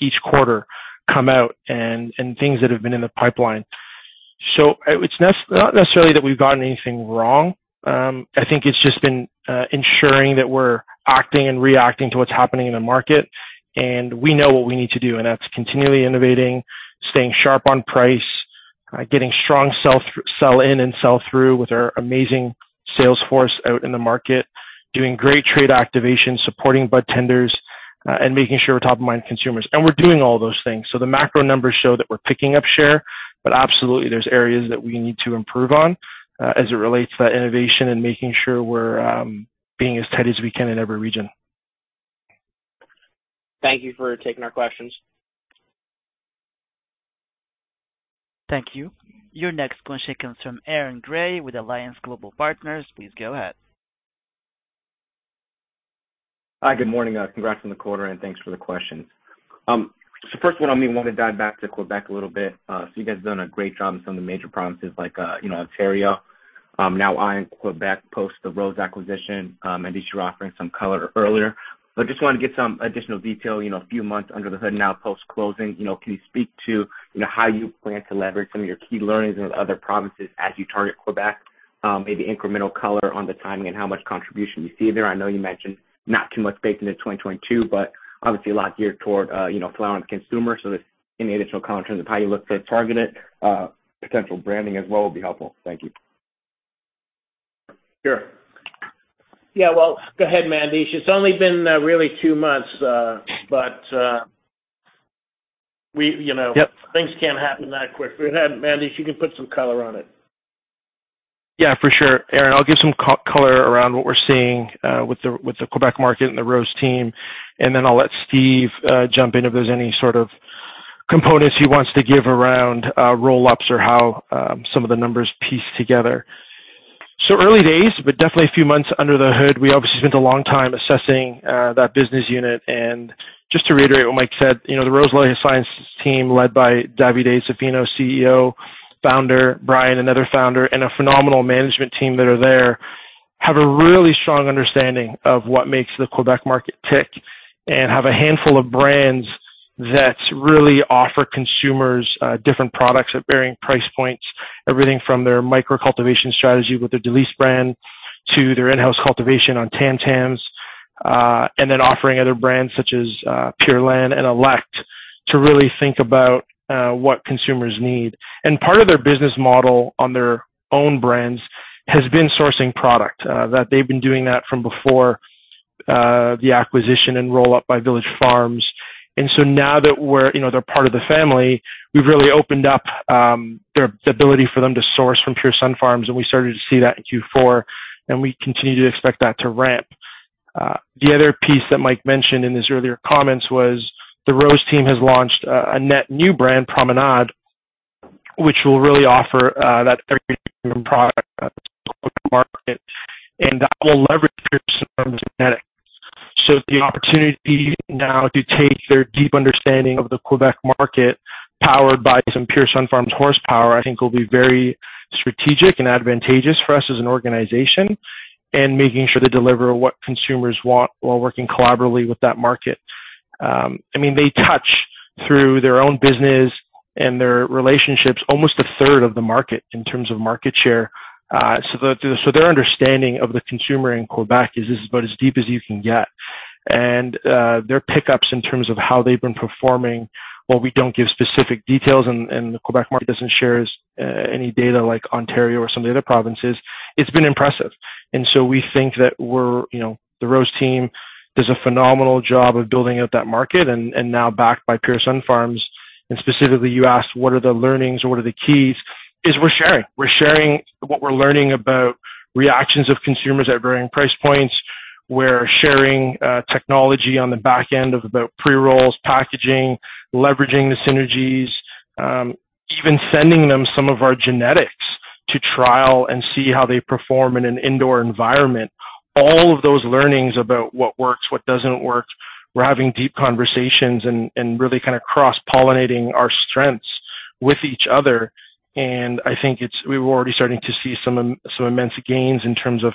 each quarter come out and things that have been in the pipeline. It's not necessarily that we've gotten anything wrong. I think it's just been ensuring that we're acting and reacting to what's happening in the market, and we know what we need to do, and that's continually innovating, staying sharp on price, getting strong sell in and sell through with our amazing sales force out in the market, doing great trade activation, supporting budtenders, and making sure we're top of mind consumers. We're doing all those things. The macro numbers show that we're picking up share. Absolutely, there's areas that we need to improve on, as it relates to that innovation and making sure we're being as tight as we can in every region. Thank you for taking our questions. Thank you. Your next question comes from Aaron Grey with Alliance Global Partners. Please go ahead. Hi, good morning. Congrats on the quarter, and thanks for the questions. First one, I maybe wanna dive back to Quebec a little bit. You guys have done a great job in some of the major provinces like, you know, Ontario. Now on Quebec post the ROSE acquisition, Mandesh, you were offering some color earlier, but just wanted to get some additional detail, you know, a few months under the hood now post-closing. You know, can you speak to, you know, how you plan to leverage some of your key learnings in other provinces as you target Quebec? Maybe incremental color on the timing and how much contribution you see there. I know you mentioned not too much weight into 2022, but obviously a lot geared toward, you know, flower and consumer. Just any additional color in terms of how you look to target it, potential branding as well would be helpful. Thank you. Sure. Yeah, well, go ahead, Mandesh. It's only been really two months, but we, you know things can't happen that quick. Go ahead, Mandesh, you can put some color on it. Yeah, for sure. Aaron, I'll give some color around what we're seeing with the Quebec market and the ROSE team, and then I'll let Steve jump in if there's any sort of components he wants to give around roll-ups or how some of the numbers piece together. Early days, but definitely a few months under the hood. We obviously spent a long time assessing that business unit. Just to reiterate what Mike said, you know, the ROSE LifeScience team, led by Davide Zaffino, CEO, founder, Brian, another founder, and a phenomenal management team that are there, have a really strong understanding of what makes the Quebec market tick and have a handful of brands that really offer consumers, different products at varying price points, everything from their micro cultivation strategy with their Délice brand to their in-house cultivation on Tam Tams, and then offering other brands such as, Pure Laine and Elekt to really think about, what consumers need. Part of their business model on their own brands has been sourcing product that they've been doing from before, the acquisition and roll-up by Village Farms. Now that we're, you know, they're part of the family, we've really opened up their ability for them to source from Pure Sunfarms. We started to see that in Q4, and we continue to expect that to ramp. The other piece that Mike mentioned in his earlier comments was the ROSE team has launched a net new brand, Promenade, which will really offer that product market, and that will leverage Pure Sunfarms genetics. The opportunity now to take their deep understanding of the Quebec market, powered by some Pure Sunfarms horsepower, I think will be very strategic and advantageous for us as an organization and making sure to deliver what consumers want while working collaboratively with that market. I mean, they touch through their own business and their relationships, almost 1/3 of the market in terms of market share. So their understanding of the consumer in Quebec is about as deep as you can get. Their pickups in terms of how they've been performing, while we don't give specific details and the Quebec market doesn't share any data like Ontario or some of the other provinces, it's been impressive. We think that we're, you know, the ROSE team does a phenomenal job of building out that market and now backed by Pure Sunfarms. Specifically you asked what are the learnings or what are the keys. We're sharing. We're sharing what we're learning about reactions of consumers at varying price points. We're sharing technology on the back end of about pre-rolls, packaging, leveraging the synergies, even sending them some of our genetics to trial and see how they perform in an indoor environment. All of those learnings about what works, what doesn't work, we're having deep conversations and really kind of cross-pollinating our strengths with each other. I think it's we were already starting to see some immense gains in terms of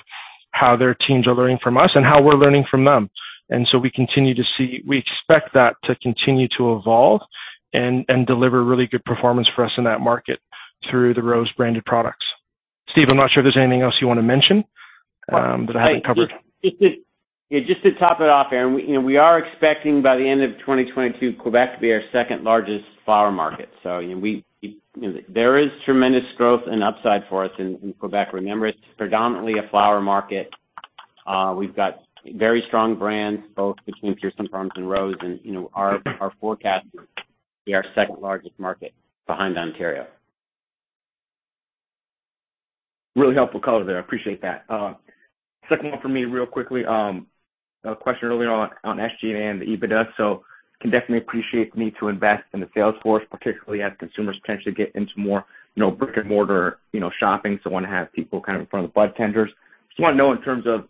how their teams are learning from us and how we're learning from them. We continue to see we expect that to continue to evolve and deliver really good performance for us in that market through the ROSE branded products. Steve, I'm not sure if there's anything else you want to mention, that I haven't covered. Just to top it off, Aaron, you know, we are expecting by the end of 2022, Quebec to be our second largest flower market. You know, there is tremendous growth and upside for us in Quebec. Remember, it's predominantly a flower market. We've got very strong brands, both between Pure Sunfarms and ROSE. Our forecast is to be our second largest market behind Ontario. Really helpful color there. I appreciate that. Second one for me real quickly. A question earlier on SG&A and the EBITDA. Can definitely appreciate the need to invest in the sales force, particularly as consumers potentially get into more, you know, brick-and-mortar, you know, shopping. Want to have people kind of in front of the budtenders. Just want to know in terms of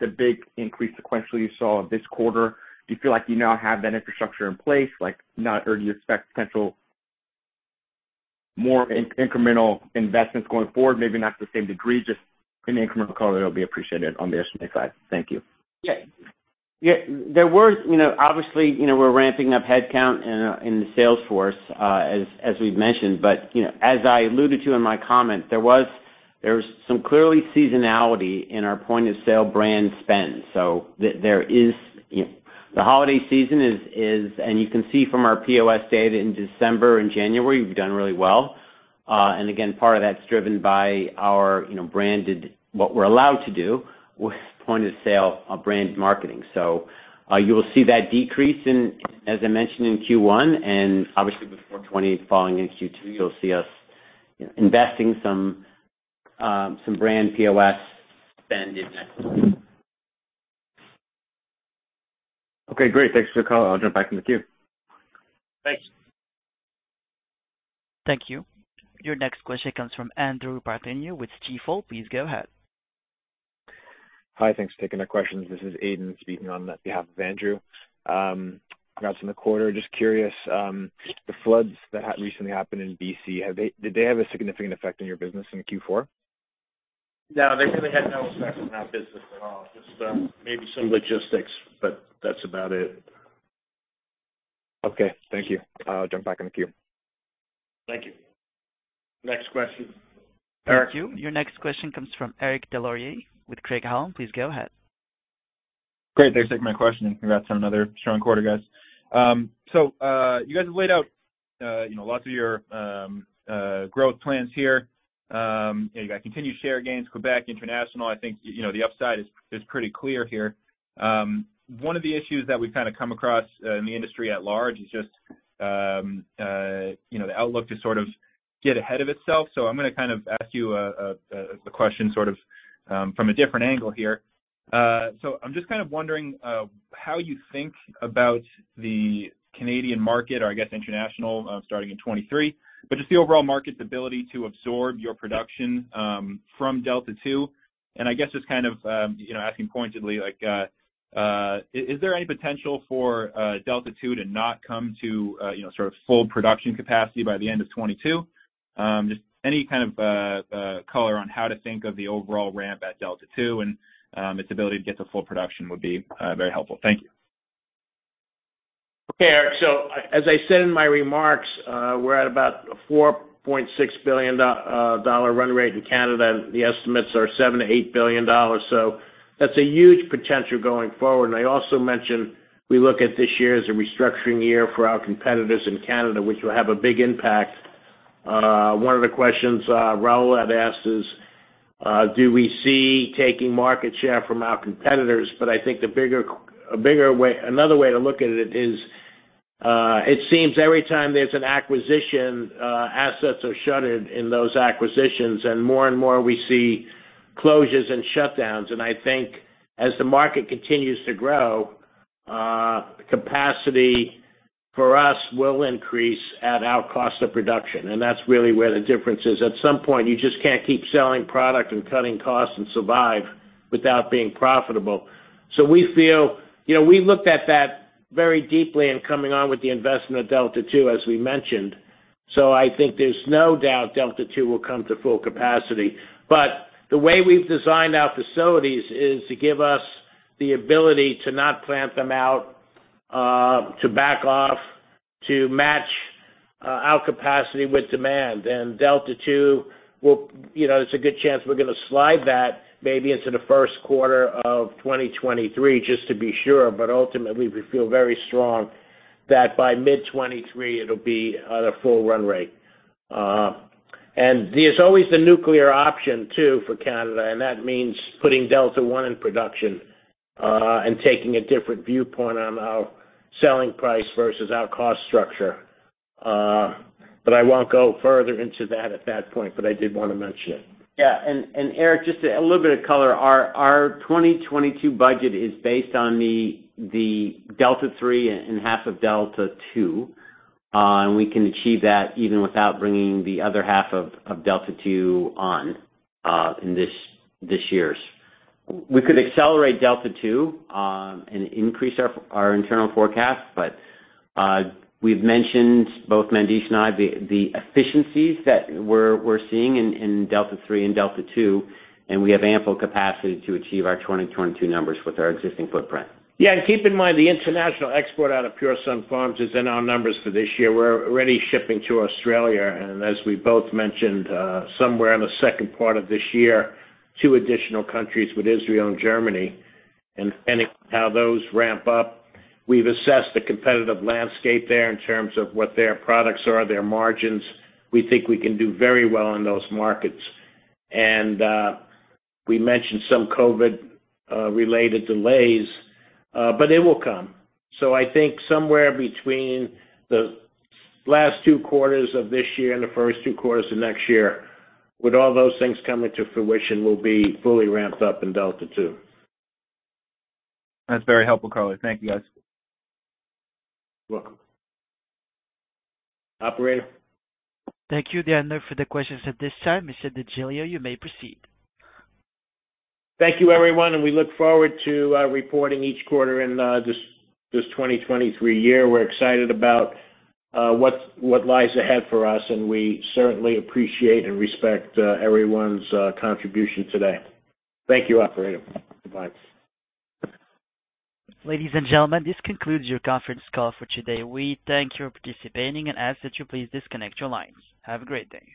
the big increase sequentially you saw this quarter, do you feel like you now have that infrastructure in place? Like, now or do you expect potential more incremental investments going forward? Maybe not to the same degree, just any incremental color there will be appreciated on the SG&A side. Thank you. Yeah. There were, you know, obviously, you know, we're ramping up headcount in the sales force, as we've mentioned. You know, as I alluded to in my comment, there was some clear seasonality in our point of sale brand spend. There is. You know, the holiday season is, and you can see from our POS data in December and January, we've done really well. Again, part of that's driven by our, you know, branded, what we're allowed to do with point of sale brand marketing. You'll see that decrease, as I mentioned in Q1, and obviously before 2020 falling into Q2, you'll see us, you know, investing some brand POS spend in that. Okay, great. Thanks for the color. I'll jump back in the queue. Thanks. Thank you. Your next question comes from Andrew Partheniou with Stifel. Please go ahead. Hi. Thanks for taking my questions. This is Aidan speaking on behalf of Andrew. Congrats on the quarter. Just curious, the floods that recently happened in B.C., did they have a significant effect on your business in Q4? No, they really had no effect on our business at all. Just, maybe some logistics, but that's about it. Okay, thank you. I'll jump back in the queue. Thank you. Next question. Thank you. Your next question comes from Eric Des Lauriers with Craig-Hallum. Please go ahead. Great. Thanks for taking my question, and congrats on another strong quarter, guys. You guys have laid out, you know, lots of your growth plans here. You know, you got continued share gains, Quebec, international. I think, you know, the upside is pretty clear here. One of the issues that we've kind of come across in the industry at large is just, you know, the outlook to sort of get ahead of itself. I'm gonna kind of ask you a question sort of from a different angle here. I'm just kind of wondering how you think about the Canadian market or I guess international starting in 2023, but just the overall market's ability to absorb your production from Delta 2. I guess just kind of, you know, asking pointedly, like, is there any potential for Delta 2 to not come to, you know, sort of full production capacity by the end of 2022? Just any kind of color on how to think of the overall ramp at Delta 2 and its ability to get to full production would be very helpful. Thank you. Okay, Eric. As I said in my remarks, we're at about a $4.6 billion run rate in Canada, and the estimates are $7 billion-$8 billion. That's a huge potential going forward. I also mentioned we look at this year as a restructuring year for our competitors in Canada, which will have a big impact. One of the questions Rahul had asked is, do we see taking market share from our competitors? But I think a bigger way, another way to look at it is, it seems every time there's an acquisition, assets are shuttered in those acquisitions, and more and more we see closures and shutdowns. I think as the market continues to grow, capacity for us will increase at our cost of production. That's really where the difference is. At some point, you just can't keep selling product and cutting costs and survive without being profitable. We feel you know, we looked at that very deeply in coming on with the investment at Delta 2, as we mentioned. I think there's no doubt Delta 2 will come to full capacity. The way we've designed our facilities is to give us the ability to not plant them out, to back off, to match our capacity with demand. Delta 2 will, you know, there's a good chance we're gonna slide that maybe into the first quarter of 2023 just to be sure. Ultimately, we feel very strong that by mid-2023 it'll be at a full run rate. There's always the nuclear option too for Canada, and that means putting Delta 1 in production and taking a different viewpoint on our selling price versus our cost structure. I won't go further into that at that point, but I did wanna mention it. Yeah. Eric, just a little bit of color. Our 2022 budget is based on the Delta 3 and half of Delta 2. We can achieve that even without bringing the other half of Delta 2 on in this year's. We could accelerate Delta 2 and increase our internal forecast. We've mentioned, both Mandesh and I, the efficiencies that we're seeing in Delta 3 and Delta 2, and we have ample capacity to achieve our 2022 numbers with our existing footprint. Yeah. Keep in mind, the international export out of Pure Sunfarms is in our numbers for this year. We're already shipping to Australia, and as we both mentioned, somewhere in the second part of this year, two additional countries with Israel and Germany, and depending how those ramp up, we've assessed the competitive landscape there in terms of what their products are, their margins. We think we can do very well in those markets. We mentioned some COVID related delays, but it will come. I think somewhere between the last two quarters of this year and the first two quarters of next year, with all those things coming to fruition, we'll be fully ramped up in Delta 2. That's very helpful color. Thank you, guys. You're welcome. Operator? Thank you. There are no further questions at this time. Mr. DeGiglio, you may proceed. Thank you, everyone, and we look forward to reporting each quarter in this 2023 year. We're excited about what lies ahead for us, and we certainly appreciate and respect everyone's contribution today. Thank you, operator. Goodbye. Ladies and gentlemen, this concludes your conference call for today. We thank you for participating and ask that you please disconnect your lines. Have a great day.